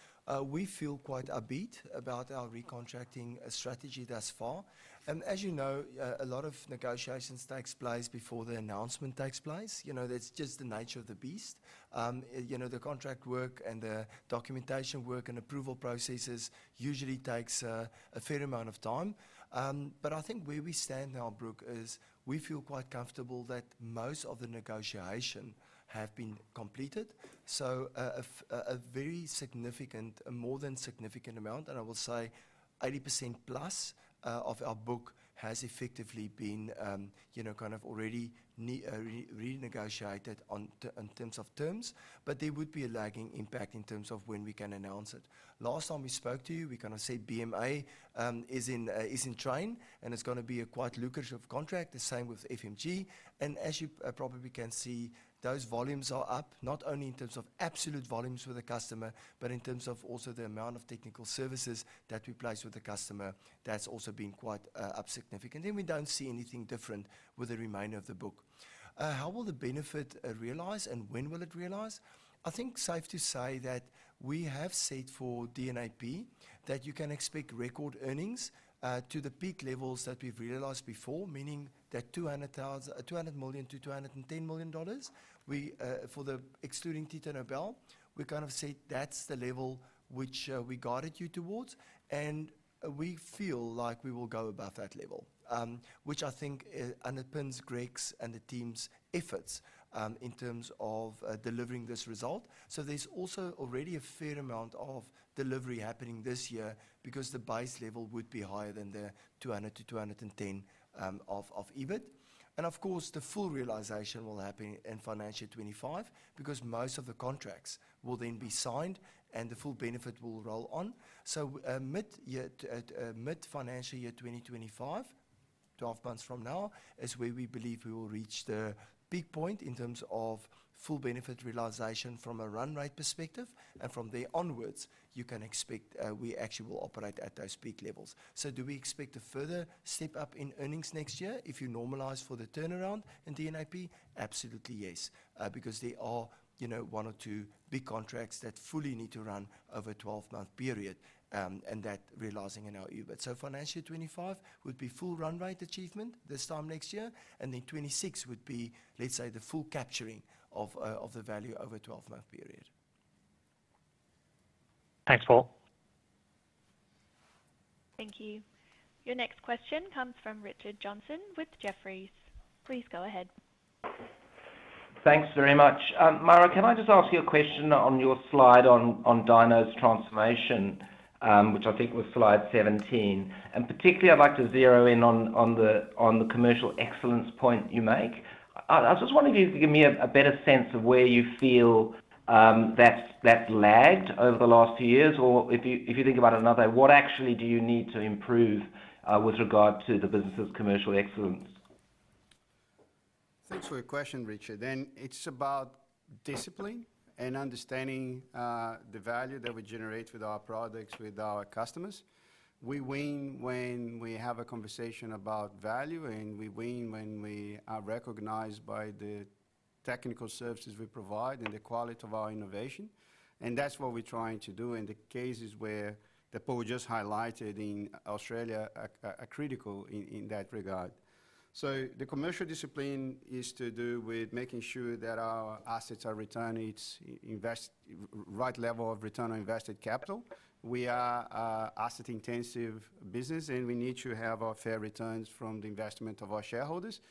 we feel quite upbeat about our recontracting strategy thus far. As you know, a lot of negotiations takes place before the announcement takes place. You know, that's just the nature of the beast. You know, the contract work and the documentation work and approval processes usually takes, a fair amount of time. But I think where we stand now, Brooke, is we feel quite comfortable that most of the negotiation have been completed. So, a very significant, more than significant amount, and I will say 80%+, of our book has effectively been, you know, kind of already renegotiated in terms of terms, but there would be a lagging impact in terms of when we can announce it. Last time we spoke to you, we kinda said BMA is in train, and it's gonna be a quite lucrative contract, the same with FMG. And as you probably can see, those volumes are up, not only in terms of absolute volumes with the customer, but in terms of also the amount of technical services that we place with the customer. That's also been quite up significant. And we don't see anything different with the remainder of the book. How will the benefit realize, and when will it realize? I think it's safe to say that we have said for DNAP that you can expect record earnings to the peak levels that we've realized before, meaning that 200 million to 210 million dollars. We, for the excluding Titanobel, we kind of said that's the level which we guided you towards, and we feel like we will go above that level. Which I think underpins Greg's and the team's efforts in terms of delivering this result. So there's also already a fair amount of delivery happening this year because the base level would be higher than the 200 to 210 of EBIT. Of course, the full realization will happen in financial 25, because most of the contracts will then be signed, and the full benefit will roll on. So, mid year, mid-financial year 2025, 12 months from now, is where we believe we will reach the peak point in terms of full benefit realization from a run rate perspective. And from there onwards, you can expect, we actually will operate at those peak levels. So do we expect a further step up in earnings next year if you normalize for the turnaround in DNAP? Absolutely, yes. Because there are, you know, one or two big contracts that fully need to run over a 12-month period, and that realizing in our EBIT. Financial 2025 would be full run rate achievement this time next year, and then 2026 would be, let's say, the full capturing of the value over a 12-month period. Thanks, Paul. Thank you. Your next question comes from Richard Johnson with Jefferies. Please go ahead. Thanks very much. Mauro, can I just ask you a question on your slide on Dyno's transformation, which I think was Slide 17, and particularly I'd like to zero in on the commercial excellence point you make. I just wondered if you could give me a better sense of where you feel that's lagged over the last few years, or if you think about what actually you need to improve with regard to the business' commercial excellence? Thanks for the question, Richard. It's about discipline and understanding the value that we generate with our products with our customers. We win when we have a conversation about value, and we win when we are recognized by the technical services we provide and the quality of our innovation, and that's what we're trying to do, and the cases where that Paul just highlighted in Australia are critical in that regard. The commercial discipline is to do with making sure that our assets are returning the right level of return on invested capital. We are an asset-intensive business, and we need to have our fair returns from the investment of our shareholders.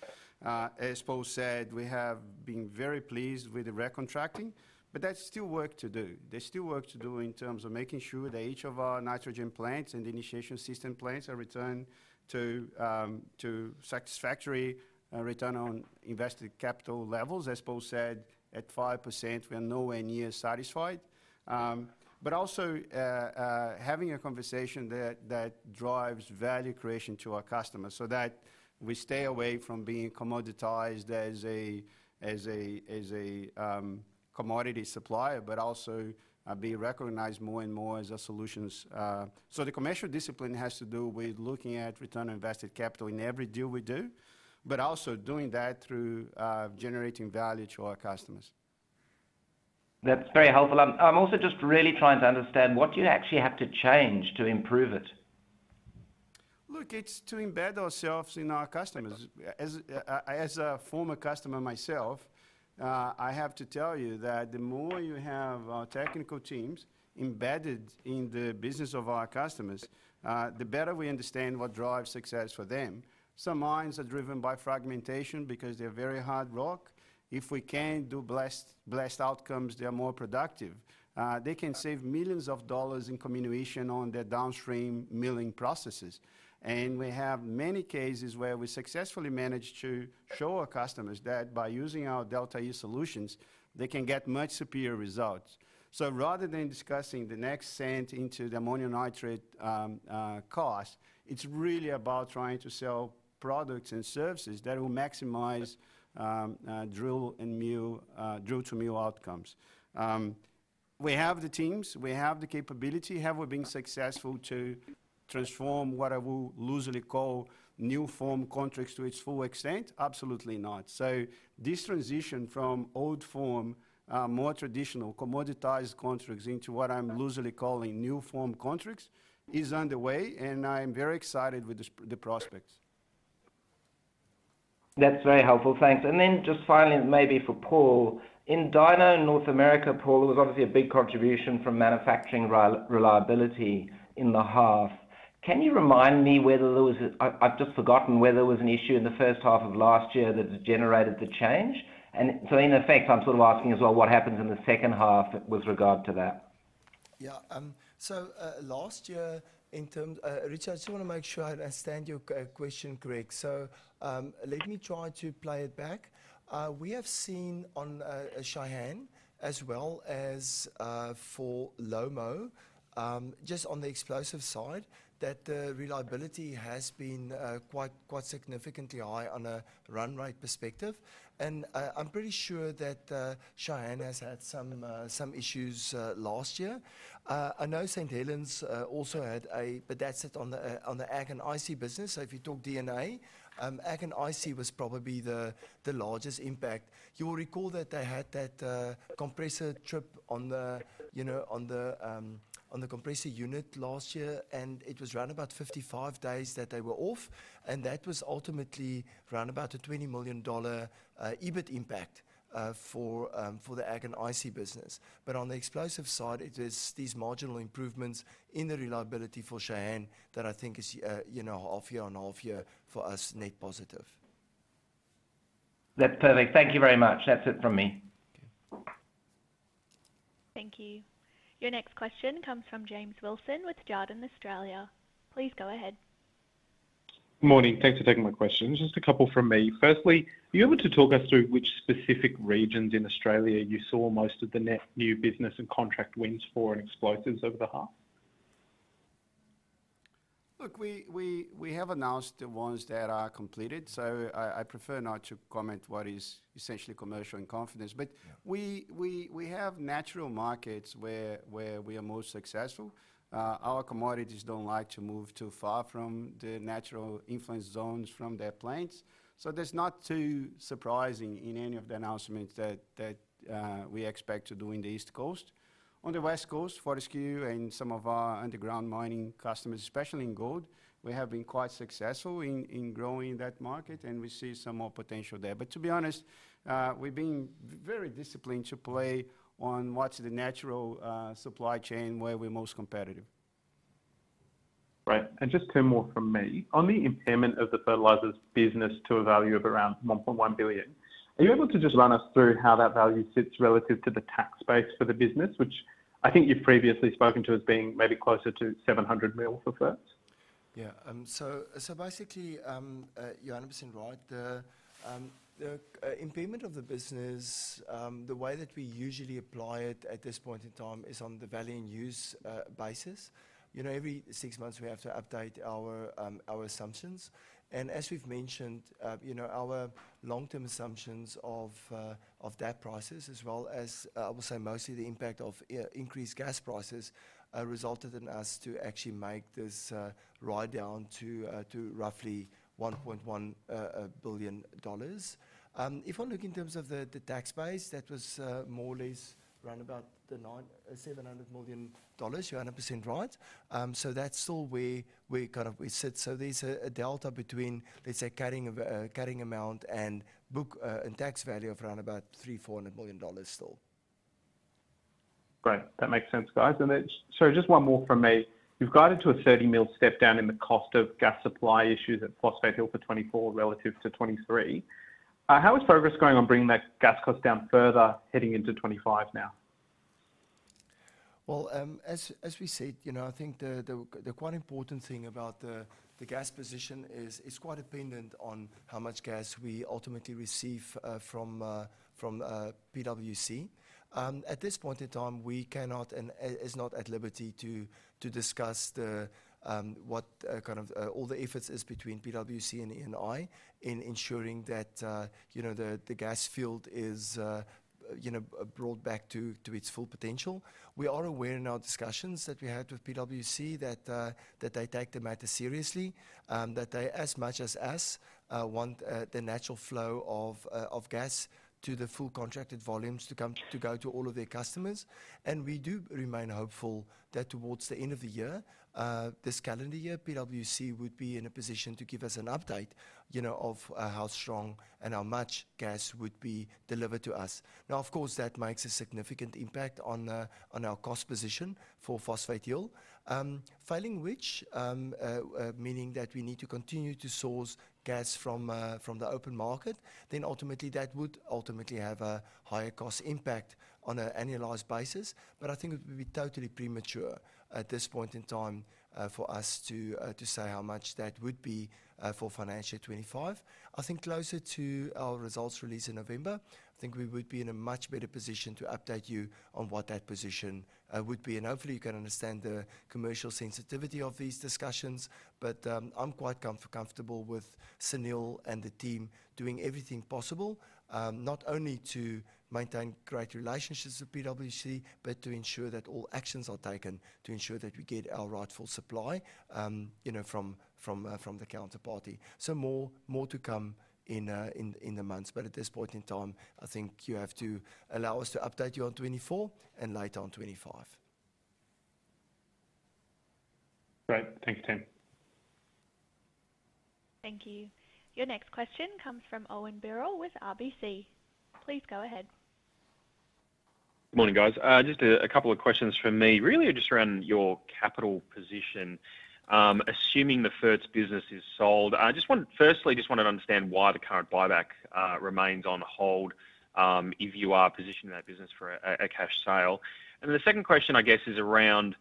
As Paul said, we have been very pleased with the recontracting, but there's still work to do. There's still work to do in terms of making sure that each of our nitrogen plants and the initiation system plants are returned to satisfactory return on invested capital levels. As Paul said, at 5%, we are nowhere near satisfied. But also, having a conversation that drives value creation to our customers so that we stay away from being commoditized as a commodity supplier, but also, being recognized more and more as a solutions. So the commercial discipline has to do with looking at return on invested capital in every deal we do, but also doing that through generating value to our customers. That's very helpful. I'm also just really trying to understand, what do you actually have to change to improve it? Look, it's to embed ourselves in our customers. As a former customer myself, I have to tell you that the more you have technical teams embedded in the business of our customers, the better we understand what drives success for them. Some mines are driven by fragmentation because they're very hard rock. If we can do blast outcomes, they are more productive. They can save millions of dollars in comminution on their downstream milling processes. And we have many cases where we successfully managed to show our customers that by using our Delta E solutions, they can get much superior results. So rather than discussing the next cent into the ammonium nitrate cost, it's really about trying to sell products and services that will maximize Drill to Mill outcomes. We have the teams, we have the capability. Have we been successful to transform what I will loosely call new form contracts to its full extent? Absolutely not. So this transition from old form, more traditional commoditized contracts into what I'm loosely calling new form contracts, is underway, and I'm very excited with the prospects. That's very helpful. Thanks. And then just finally, maybe for Paul. In Dyno, North America, Paul, it was obviously a big contribution from manufacturing reliability in the half. Can you remind me whether there was a... I've just forgotten whether there was an issue in the first half of last year that generated the change? And so, in effect, I'm sort of asking as well, what happens in the second half with regard to that? Yeah, so last year, in terms, Richard, I just wanna make sure I understand your question correct. So, let me try to play it back. We have seen on Cheyenne as well as for LOMO, just on the explosive side, that reliability has been quite, quite significantly high on a run rate perspective. And, I'm pretty sure that Cheyenne has had some, some issues last year. I know St. Helens also had a but that's it on the Ag and IC business. So if you talk DNA, Ag and IC was probably the, the largest impact. You will recall that they had that compressor trip on the, you know, on the compressor unit last year, and it was round about 55 days that they were off, and that was ultimately round about a $20 million EBIT impact for the Ag and IC business. But on the explosive side, it is these marginal improvements in the reliability for Cheyenne that I think is, you know, half year on half year for us, net positive. That's perfect. Thank you very much. That's it from me. Thank you. Your next question comes from James Wilson with Jarden Australia. Please go ahead. Good morning. Thanks for taking my questions. Just a couple from me. Firstly, are you able to talk us through which specific regions in Australia you saw most of the net new business and contract wins for in explosives over the half? Look, we have announced the ones that are completed, so I prefer not to comment what is essentially commercial in confidence. But we have natural markets where we are most successful. Our commodities don't like to move too far from the natural influence zones from their plants, so that's not too surprising in any of the announcements that we expect to do in the East Coast. On the West Coast, Fortescue and some of our underground mining customers, especially in gold, we have been quite successful in growing that market, and we see some more potential there. But to be honest, we've been very disciplined to play on what's the natural supply chain where we're most competitive. Right. And just two more from me. On the impairment of the fertilizers business to a value of around 1.1 billion, are you able to just run us through how that value sits relative to the tax base for the business, which I think you've previously spoken to as being maybe closer to 700 million for fertz? Yeah. So basically, you're 100% right. The impairment of the business, the way that we usually apply it at this point in time is on the value in use basis. You know, every six months, we have to update our assumptions. And as we've mentioned, you know, our long-term assumptions of DAP prices, as well as, I will say, mostly the impact of increased gas prices, resulted in us to actually make this write down to roughly 1.1 billion dollars. If I look in terms of the tax base, that was more or less around about 700 million dollars. You're 100% right. So that's still where we kind of sit. So there's a delta between, let's say, carrying amount and book and tax value of around about $300 million-$400 million still. Great. That makes sense, guys. And then, so just one more from me. You've guided to a 30 million step down in the cost of gas supply issues at Phosphate Hill for 2024 relative to 2023. How is progress going on bringing that gas cost down further heading into 2025 now? Well, as we said, you know, I think the quite important thing about the gas position is, it's quite dependent on how much gas we ultimately receive from PWC. At this point in time, we cannot and is not at liberty to discuss the what kind of all the efforts is between PWC and ENI in ensuring that, you know, the gas field is, you know, brought back to its full potential. We are aware in our discussions that we had with PWC that they take the matter seriously, that they as much as us want the natural flow of gas to the full contracted volumes to come to go to all of their customers. We do remain hopeful that towards the end of the year, this calendar year, PWC would be in a position to give us an update, you know, of how strong and how much gas would be delivered to us. Now, of course, that makes a significant impact on our cost position for Phosphate Hill. Failing which, meaning that we need to continue to source gas from the open market, then ultimately that would ultimately have a higher cost impact on an annualized basis. But I think it would be totally premature at this point in time for us to say how much that would be for financial 2025. I think closer to our results release in November, I think we would be in a much better position to update you on what that position would be. And hopefully, you can understand the commercial sensitivity of these discussions. But, I'm quite comfortable with Sunil and the team doing everything possible, not only to maintain great relationships with PWC, but to ensure that all actions are taken to ensure that we get our rightful supply, you know, from the counterparty. So more to come in the months, but at this point in time, I think you have to allow us to update you on 2024 and later on 2025. Great. Thank you, team. Thank you. Your next question comes from Owen Birrell with RBC. Please go ahead. Good morning, guys. Just a couple of questions from me, really are just around your capital position. Assuming the ferts business is sold, I just want, firstly, just wanted to understand why the current buyback remains on hold, if you are positioning that business for a cash sale. And then the second question, I guess, is around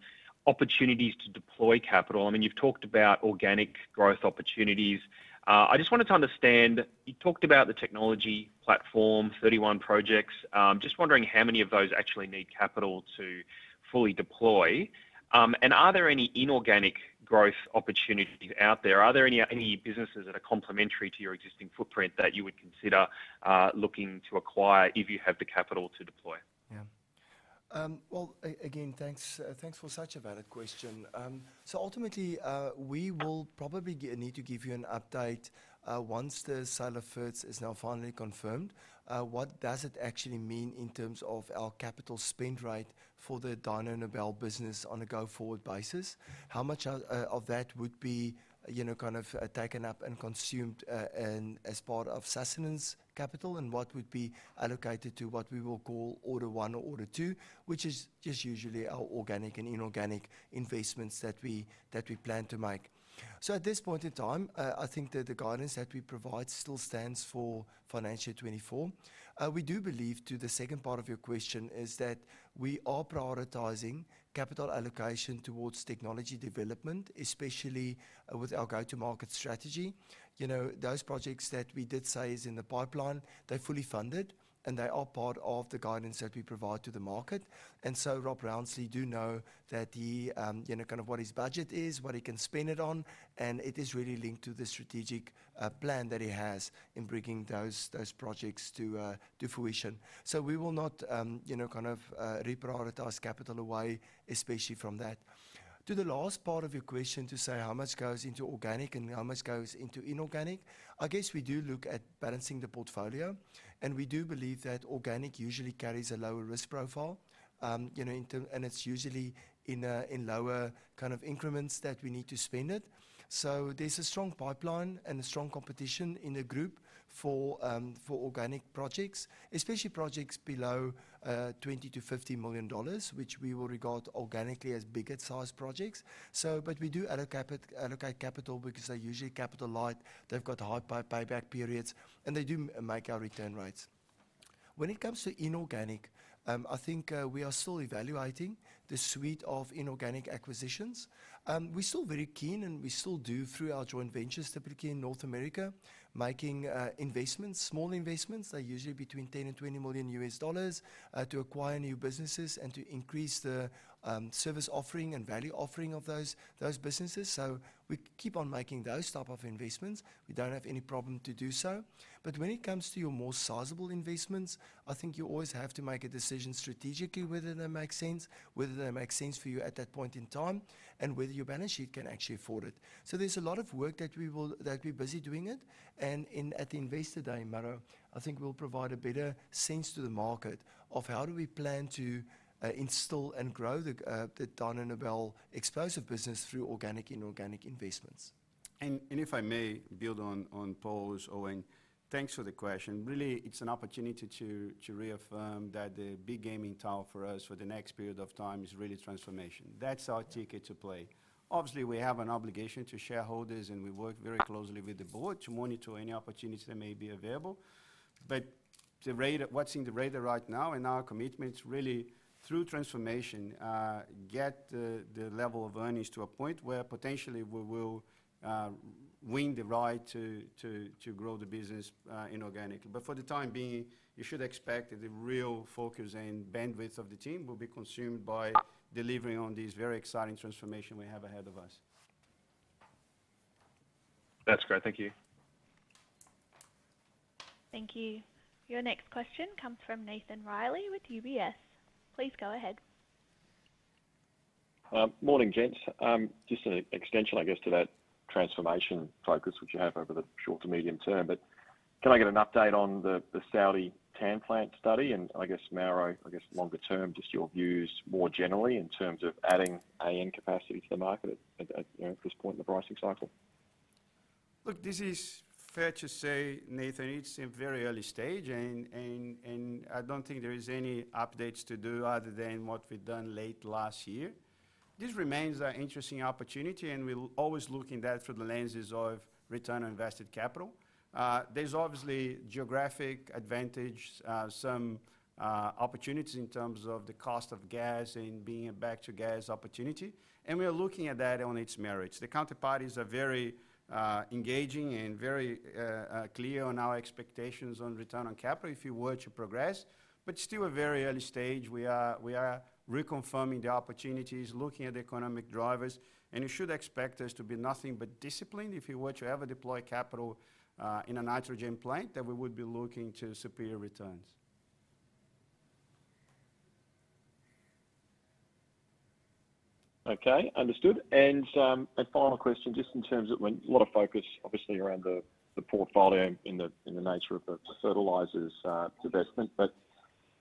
opportunities to deploy capital. I mean, you've talked about organic growth opportunities. I just wanted to understand, you talked about the technology platform, 31 projects. Just wondering how many of those actually need capital to fully deploy. Are there any inorganic growth opportunities out there? Are there any businesses that are complementary to your existing footprint that you would consider looking to acquire if you have the capital to deploy? Yeah. Well, thanks for such a valid question. So ultimately, we will probably need to give you an update once the sale of fertilizers is now finally confirmed. What does it actually mean in terms of our capital spend rate for the Dyno Nobel business on a go-forward basis? How much of that would be, you know, kind of taken up and consumed and as part of sustenance capital, and what would be allocated to what we will call order one or order two, which is just usually our organic and inorganic investments that we plan to make. So at this point in time, I think that the guidance that we provide still stands for financial 2024. We do believe, to the second part of your question, is that we are prioritizing capital allocation towards technology development, especially, with our go-to-market strategy. You know, those projects that we did say is in the pipeline, they're fully funded, and they are part of the guidance that we provide to the market. And so, Rob Rounsley do know that he, you know, kind of what his budget is, what he can spend it on, and it is really linked to the strategic, plan that he has in bringing those, those projects to, to fruition. So we will not, you know, kind of, reprioritize capital away, especially from that. To the last part of your question, to say how much goes into organic and how much goes into inorganic, I guess we do look at balancing the portfolio, and we do believe that organic usually carries a lower risk profile. You know, it's usually in lower kind of increments that we need to spend it. So there's a strong pipeline and a strong competition in the group for organic projects, especially projects below 20 million-50 million dollars, which we will regard organically as bigger-sized projects. So, but we do allocate capital because they're usually capital light, they've got high pay, payback periods, and they do make our return rates. When it comes to inorganic, I think, we are still evaluating the suite of inorganic acquisitions. We're still very keen, and we still do through our joint ventures, typically in North America, making investments, small investments. They're usually between AUD 10 million-AUD 20 million to acquire new businesses and to increase the service offering and value offering of those, those businesses. So we keep on making those type of investments. We don't have any problem to do so. But when it comes to your more sizable investments, I think you always have to make a decision strategically, whether they make sense, whether they make sense for you at that point in time, and whether your balance sheet can actually afford it. So there's a lot of work that we're busy doing it, and in at the Investor Day and Mauro, I think we'll provide a better sense to the market of how do we plan to install and grow the Dyno Nobel explosive business through organic, inorganic investments. If I may build on Paul's, Owen, thanks for the question. Really, it's an opportunity to reaffirm that the big game in town for us for the next period of time is really transformation. That's our ticket to play. Obviously, we have an obligation to shareholders, and we work very closely with the board to monitor any opportunities that may be available. But what's in the radar right now, and our commitment's really through transformation, get the level of earnings to a point where potentially we will win the right to grow the business inorganically. But for the time being, you should expect the real focus and bandwidth of the team will be consumed by delivering on these very exciting transformation we have ahead of us. That's great. Thank you. Thank you. Your next question comes from Nathan Riley with UBS. Please go ahead. Morning, gents. Just an extension, I guess, to that transformation focus which you have over the short to medium term, but can I get an update on the Saudi TAN plant study? And I guess, Mauro, I guess longer term, just your views more generally in terms of adding AN capacity to the market at, you know, at this point in the pricing cycle. Look, this is fair to say, Nathan, it's in very early stage and I don't think there is any updates to do other than what we've done late last year. This remains an interesting opportunity, and we'll always look in that through the lenses of return on invested capital. There's obviously geographic advantage, some opportunities in terms of the cost of gas and being a back-to-gas opportunity, and we are looking at that on its merits. The counterparties are very engaging and very clear on our expectations on return on capital, if you were to progress, but still a very early stage. We are reconfirming the opportunities, looking at the economic drivers, and you should expect us to be nothing but disciplined. If you were to ever deploy capital in a nitrogen plant, then we would be looking to superior returns. Okay, understood. And final question, just in terms of when a lot of focus, obviously, around the portfolio in the nature of the fertilizers divestment. But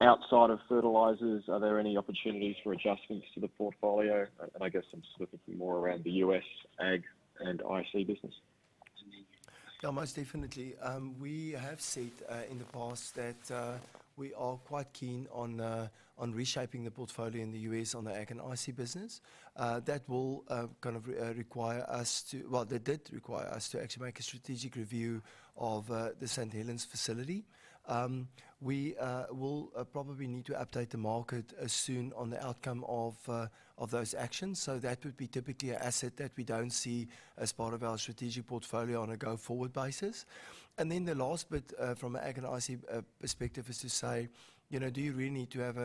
outside of fertilizers, are there any opportunities for adjustments to the portfolio? And I guess I'm just looking for more around the US, Ag, and IC business. Yeah, most definitely. We have said in the past that we are quite keen on reshaping the portfolio in the U.S. on the Ag and IC business. That will kind of require us to... Well, that did require us to actually make a strategic review of the St. Helens facility. We will probably need to update the market soon on the outcome of those actions. So that would be typically an asset that we don't see as part of our strategic portfolio on a go-forward basis. And then the last bit from an Ag and IC perspective is to say, you know, do you really need to have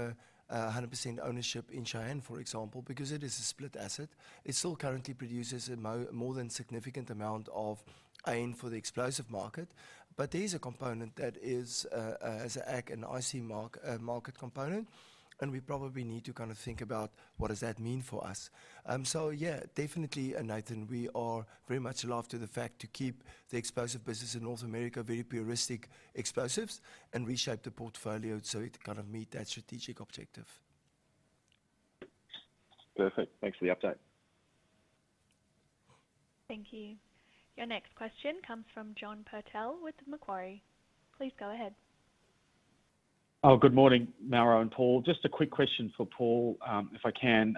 100% ownership in Cheyenne, for example, because it is a split asset. It still currently produces more than a significant amount of AN for the explosive market, but there is a component that is as Ag and IC market component, and we probably need to kind of think about what does that mean for us. So yeah, definitely, Nathan, we are very much alert to the fact to keep the explosive business in North America, very puristic explosives, and reshape the portfolio so it kind of meet that strategic objective. Perfect. Thanks for the update. Thank you. Your next question comes from John Purtell with Macquarie. Please go ahead. Oh, good morning, Mauro and Paul. Just a quick question for Paul, if I can.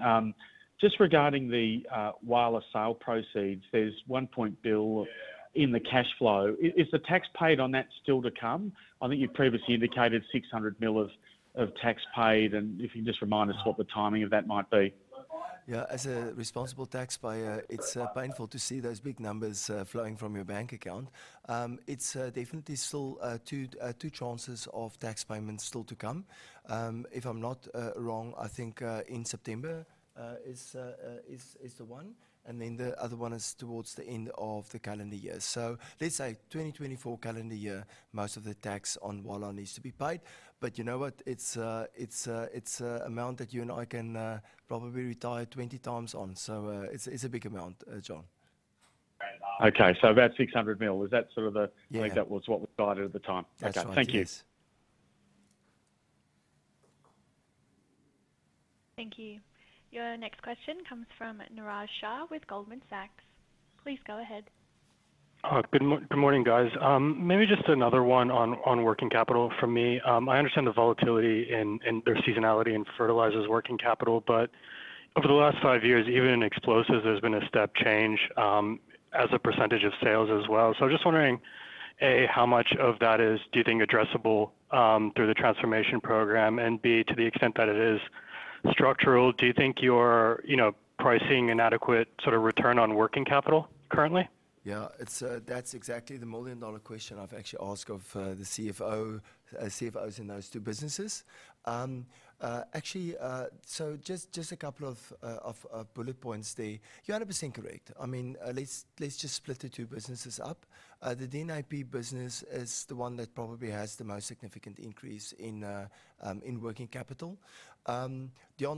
Just regarding the Waggaman sale proceeds, there's 1 billion in the cash flow. Is the tax paid on that still to come? I think you previously indicated 600 million of tax paid, and if you can just remind us what the timing of that might be. Yeah. As a responsible taxpayer, it's painful to see those big numbers flowing from your bank account. It's definitely still two tranches of tax payments still to come. If I'm not wrong, I think in September is the one, and then the other one is towards the end of the calendar year. So let's say 2024 calendar year, most of the tax on Waggaman needs to be paid. But you know what? It's a amount that you and I can probably retire 20 times on. So it's a big amount, John. Okay. So about $600 million, was that sort of the I think that was what we guided at the time. That's right. Okay. Thank you. Thank you. Your next question comes from Niraj Shah with Goldman Sachs. Please go ahead. Good morning, guys. Maybe just another one on working capital from me. I understand the volatility and the seasonality in fertilizers working capital, but over the last five years, even in explosives, there's been a step change as a percentage of sales as well. So just wondering, A, how much of that is, do you think, addressable through the transformation program? And B, to the extent that it is structural, do you think you're, you know, pricing an adequate sort of return on working capital currently? Yeah, it's, that's exactly the million-dollar question I've actually asked of, the CFO, CFOs in those two businesses. Actually, so just, just a couple of, bullet points there. You're 100% correct. I mean, let's, let's just split the two businesses up. The DNAP business is the one that probably has the most significant increase in working capital. Deon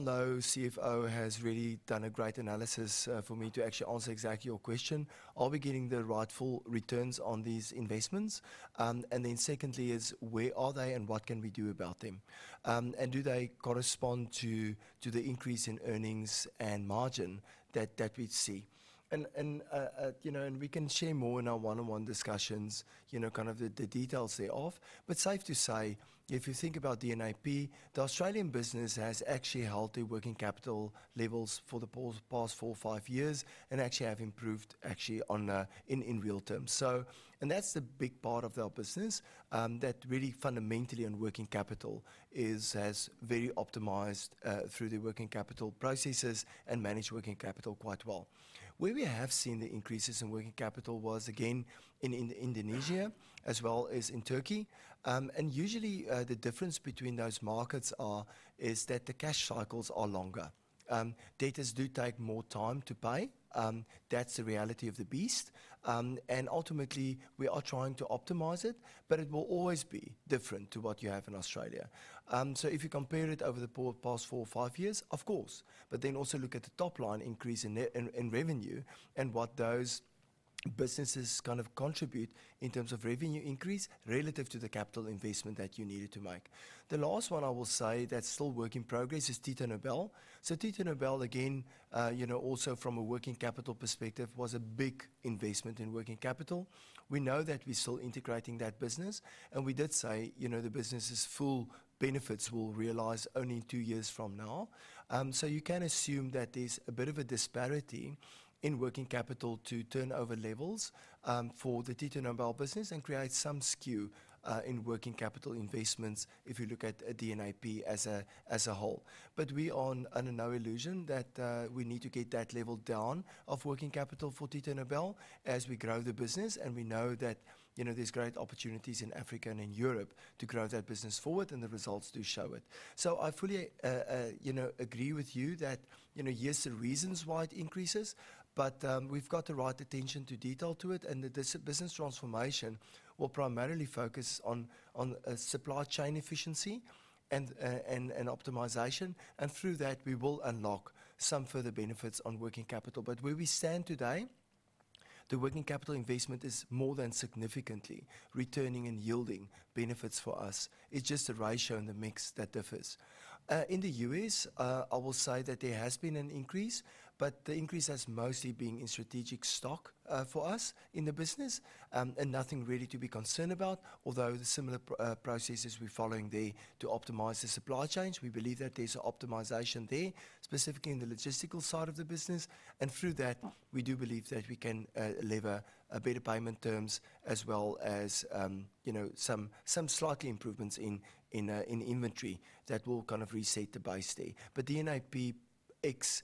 Louw, CFO, has really done a great analysis, for me to actually answer exactly your question: are we getting the rightful returns on these investments? And then secondly is: where are they and what can we do about them? And do they correspond to, the increase in earnings and margin that, we see? You know, and we can share more in our one-on-one discussions, you know, kind of the, the details thereof. But safe to say, if you think about DNAP, the Australian business has actually held their working capital levels for the past four or five years and actually have improved actually on, in, in real terms. And that's the big part of our business, that really fundamentally on working capital is, has very optimized, through the working capital processes and managed working capital quite well. Where we have seen the increases in working capital was, again, in, in Indonesia as well as in Turkey. And usually, the difference between those markets are, is that the cash cycles are longer. Debtors do take more time to pay, that's the reality of the beast. And ultimately, we are trying to optimize it, but it will always be different to what you have in Australia. So if you compare it over the past four or five years, of course, but then also look at the top line increase in revenue and what those businesses kind of contribute in terms of revenue increase relative to the capital investment that you needed to make. The last one I will say that's still work in progress is Titanobel. So Titanobel, again, you know, also from a working capital perspective, was a big investment in working capital. We know that we're still integrating that business, and we did say, you know, the business's full benefits will realize only two years from now. You can assume that there's a bit of a disparity in working capital to turnover levels, for the Titanobel business and create some skew, in working capital investments if you look at DNAP as a whole. But we are under no illusion that we need to get that level down of working capital for Titanobel as we grow the business, and we know that, you know, there's great opportunities in Africa and in Europe to grow that business forward, and the results do show it. So I fully, you know, agree with you that, you know, here's the reasons why it increases, but, we've got the right attention to detail to it, and the business transformation will primarily focus on, on, supply chain efficiency and optimization, and through that, we will unlock some further benefits on working capital. But where we stand today, the working capital investment is more than significantly returning and yielding benefits for us. It's just the ratio and the mix that differs. In the U.S., I will say that there has been an increase, but the increase has mostly been in strategic stock for us in the business. And nothing really to be concerned about, although the similar processes we're following there to optimize the supply chains. We believe that there's optimization there, specifically in the logistical side of the business, and through that, we do believe that we can leverage better payment terms as well as, you know, some slight improvements in inventory that will kind of reset the base there. But DNAP ex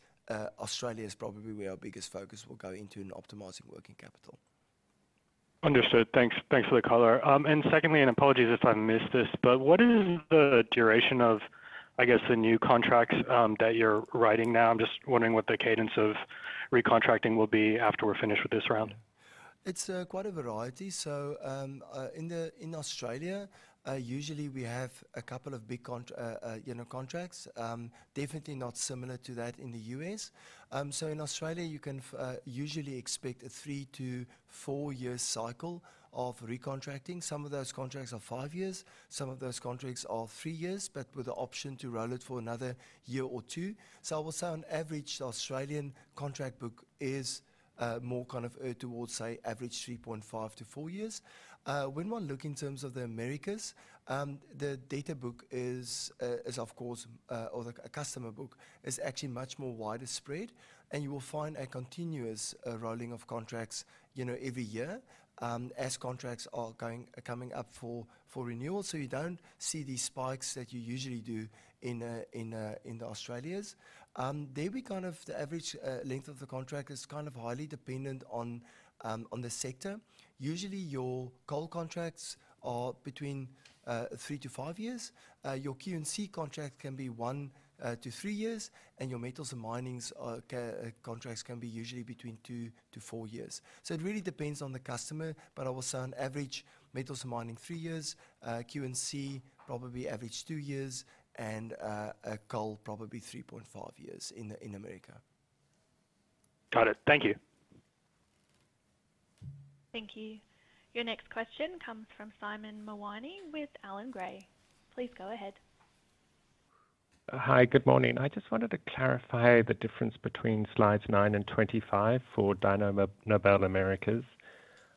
Australia is probably where our biggest focus will go into in optimizing working capital. Understood. Thanks for the color. And secondly, and apologies if I missed this, but what is the duration of, I guess, the new contracts, that you're writing now? I'm just wondering what the cadence of recontracting will be after we're finished with this round. It's quite a variety. So, in Australia, usually we have a couple of big contracts. You know, definitely not similar to that in the U.S. So in Australia, you can usually expect a three-to-four-year cycle of recontracting. Some of those contracts are five years, some of those contracts are three years, but with the option to roll it for another year or two. So I will say on average, the Australian contract book is more kind of towards, say, average 3.5-four years. When one looks in terms of the Americas, the data book is, of course, or the customer book is actually much more widespread, and you will find a continuous rolling of contracts, you know, every year, as contracts are coming up for renewal. So you don't see these spikes that you usually do in Australia. There, the average length of the contract is kind of highly dependent on the sector. Usually, your coal contracts are between three-five years. Your Q&C contract can be one-three years, and your metals and mining contracts can be usually between two-four years. So it really depends on the customer, but I will say on average, metals and mining, three years, Q&C, probably average two years, and coal, probably 3.5 years in America. Got it. Thank you. Thank you. Your next question comes from Simon Mawhinney with Allan Gray Please go ahead. Hi, good morning. I just wanted to clarify the difference between Slides 9 and 25 for Dyno Nobel Americas.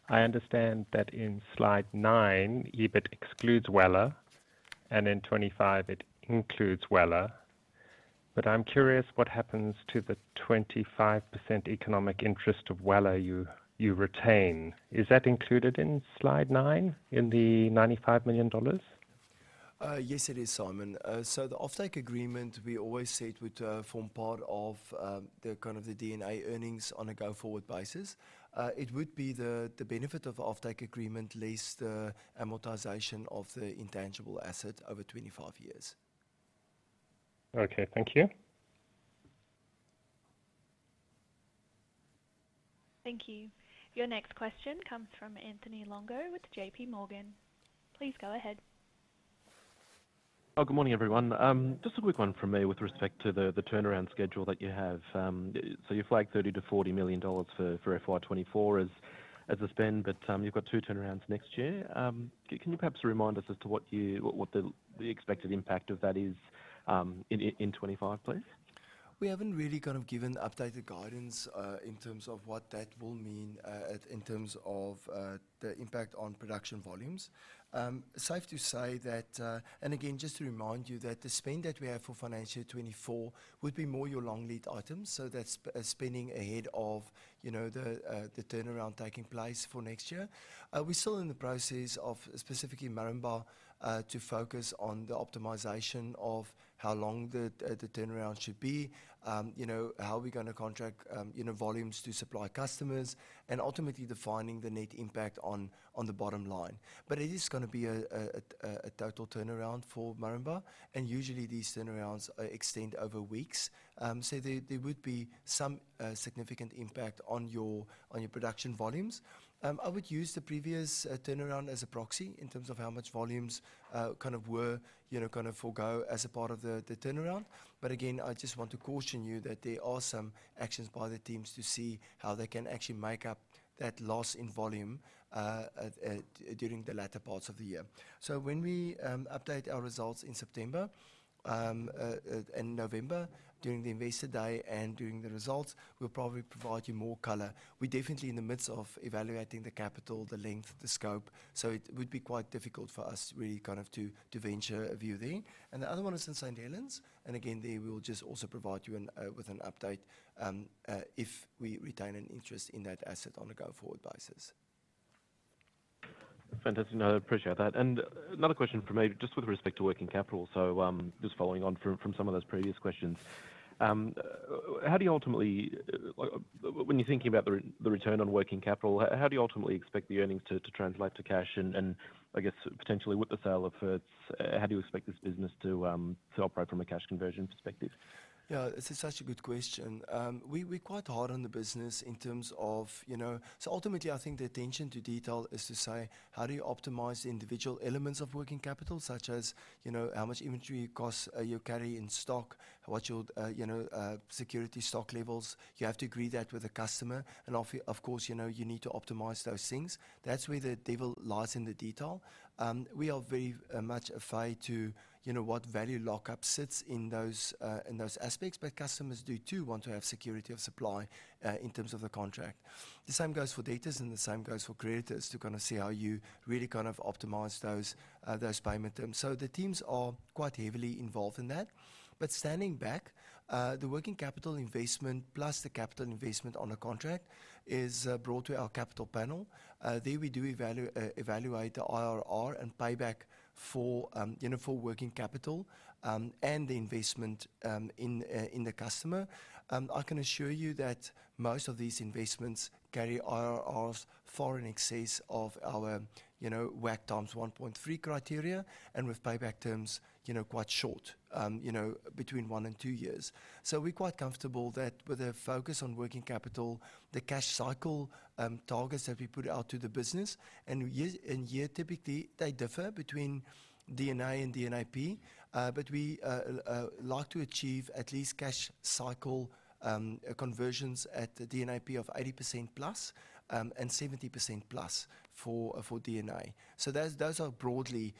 I understand that in Slide 9, EBIT excludes Waggaman, and in 25 it includes Waggaman. But I'm curious what happens to the 25% economic interest of Waggaman you retain. Is that included in Slide 9, in the 95 million dollars? Yes, it is, Simon. So the offtake agreement, we always said would form part of the kind of the DNA earnings on a go-forward basis. It would be the, the benefit of offtake agreement, less the amortization of the intangible asset over 25 years. Okay. Thank you. Thank you. Your next question comes from Anthony Longo with JPMorgan. Please go ahead. Oh, good morning, everyone. Just a quick one from me with respect to the turnaround schedule that you have. So you flagged 30 million-40 million dollars for FY 2024 as a spend, but you've got two turnarounds next year. Can you perhaps remind us as to what the expected impact of that is in 2025, please? We haven't really kind of given updated guidance in terms of what that will mean at in terms of the impact on production volumes. Safe to say that... Again, just to remind you that the spend that we have for financial 2024 would be more your long lead items, so that's spending ahead of, you know, the turnaround taking place for next year. We're still in the process of, specifically Moranbah, to focus on the optimization of how long the turnaround should be. You know, how are we gonna contract volumes to supply customers and ultimately defining the net impact on the bottom line. But it is gonna be a total turnaround for Moranbah, and usually, these turnarounds extend over weeks. So there would be some significant impact on your production volumes. I would use the previous turnaround as a proxy in terms of how much volumes kind of were, you know, gonna forego as a part of the turnaround. But again, I just want to caution you that there are some actions by the teams to see how they can actually make up that loss in volume during the latter parts of the year. So when we update our results in September and November, during the Investor Day and during the results, we'll probably provide you more color. We're definitely in the midst of evaluating the capital, the length, the scope, so it would be quite difficult for us really kind of to venture a view there. And the other one is in St. Helens, and again, there we will just also provide you with an update if we retain an interest in that asset on a go-forward basis. Fantastic. No, I appreciate that. And another question from me, just with respect to working capital. So, just following on from some of those previous questions, how do you ultimately, like, when you're thinking about the return on working capital, how do you ultimately expect the earnings to translate to cash? And I guess potentially with the sale of Ferts, how do you expect this business to operate from a cash conversion perspective? Yeah, it's such a good question. We're quite hard on the business in terms of, you know... So ultimately, I think the attention to detail is to say: how do you optimize the individual elements of working capital, such as, you know, how much inventory it costs you carry in stock, what your, you know, security stock levels? You have to agree that with the customer. And of course, you know, you need to optimize those things. That's where the devil lies in the detail. We are very much attuned to, you know, what value lockup sits in those, in those aspects, but customers do too want to have security of supply, in terms of the contract. The same goes for debtors, and the same goes for creditors to kind of see how you really kind of optimize those, those payment terms. So the teams are quite heavily involved in that. But standing back, the working capital investment plus the capital investment on a contract is brought to our capital panel. There we do evaluate the IRR and payback for, you know, for working capital, and the investment in the customer. I can assure you that most of these investments carry IRRs far in excess of our, you know, WACC times 1.3 criteria, and with payback terms, you know, quite short, you know, between one and two years. So we're quite comfortable that with a focus on working capital, the cash cycle targets that we put out to the business, and year-on-year typically, they differ between DNA and DNAP. But we like to achieve at least cash cycle conversions at the DNAP of 80%+, and 70%+ for DNA. So those are broadly,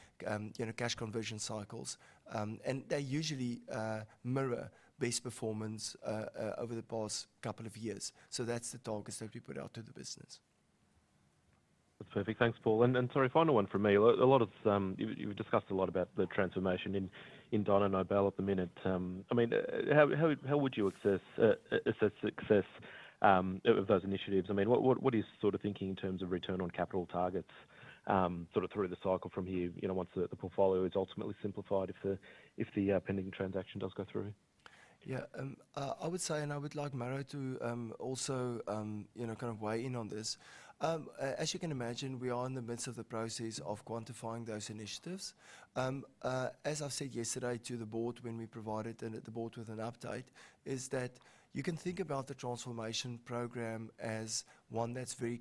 you know, cash conversion cycles. And they usually mirror base performance over the past couple of years. So that's the targets that we put out to the business. That's perfect. Thanks, Paul. And sorry, final one from me. A lot of... You've discussed a lot about the transformation in Dyno Nobel at the minute. I mean, how would you assess success of those initiatives? I mean, what are you sort of thinking in terms of return on capital targets, sort of through the cycle from here, you know, once the portfolio is ultimately simplified, if the pending transaction does go through? Yeah. I would say, and I would like Mauro to also, you know, kind of weigh in on this. As you can imagine, we are in the midst of the process of quantifying those initiatives. As I've said yesterday to the board, when we provided the board with an update, is that you can think about the transformation program as one that's very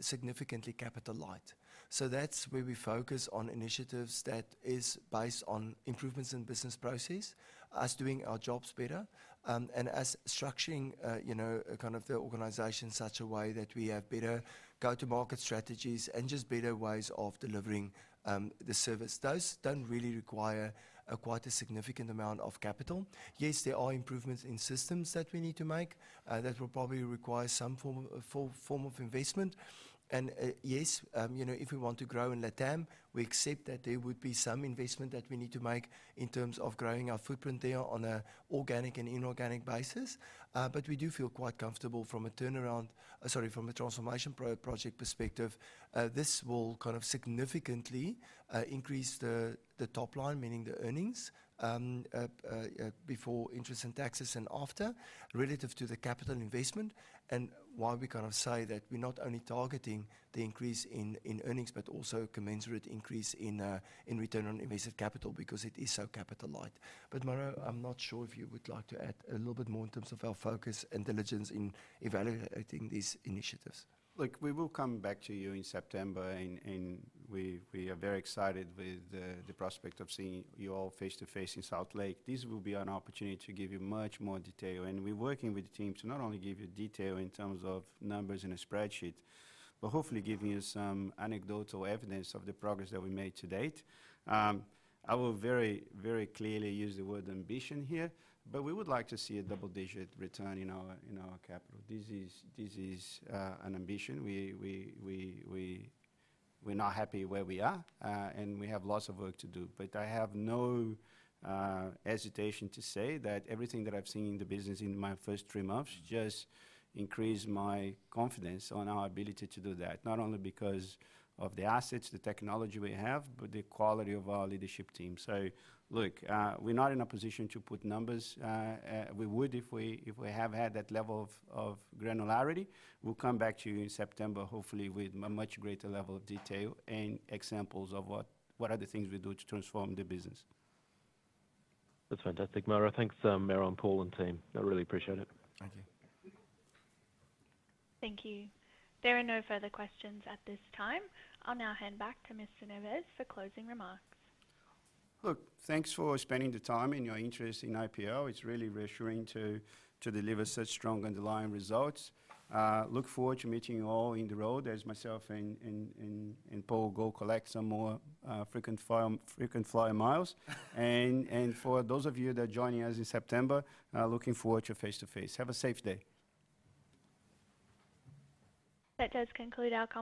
significantly capital light. So that's where we focus on initiatives that is based on improvements in business process, us doing our jobs better, and us structuring, you know, kind of the organization in such a way that we have better go-to-market strategies and just better ways of delivering the service. Those don't really require quite a significant amount of capital. Yes, there are improvements in systems that we need to make that will probably require some form of form of investment. And yes, you know, if we want to grow in LATAM, we accept that there would be some investment that we need to make in terms of growing our footprint there on an organic and inorganic basis. But we do feel quite comfortable from a transformation project perspective, this will kind of significantly increase the top line, meaning the earnings before interest and taxes and after, relative to the capital investment. And while we kind of say that we're not only targeting the increase in earnings, but also commensurate increase in return on invested capital, because it is so capital light. Mauro, I'm not sure if you would like to add a little bit more in terms of our focus and diligence in evaluating these initiatives. Look, we will come back to you in September, and we are very excited with the prospect of seeing you all face-to-face in Salt Lake. This will be an opportunity to give you much more detail. And we're working with the team to not only give you detail in terms of numbers in a spreadsheet, but hopefully giving you some anecdotal evidence of the progress that we made to date. I will very clearly use the word ambition here, but we would like to see a double-digit return in our capital. This is an ambition. We're not happy where we are, and we have lots of work to do. But I have no hesitation to say that everything that I've seen in the business in my first three months just increased my confidence on our ability to do that, not only because of the assets, the technology we have, but the quality of our leadership team. So look, we're not in a position to put numbers. We would if we, if we have had that level of granularity. We'll come back to you in September, hopefully with a much greater level of detail and examples of what, what are the things we do to transform the business. That's fantastic, Mauro. Thanks, Mauro, and Paul, and team. I really appreciate it. Thank you. Thank you. There are no further questions at this time. I'll now hand back to Mr. Neves for closing remarks. Look, thanks for spending the time and your interest in IPL. It's really reassuring to deliver such strong underlying results. Look forward to meeting you all on the road as myself and Paul go collect some more frequent flyer miles. And for those of you that are joining us in September, looking forward to face-to-face. Have a safe day. That does conclude our call.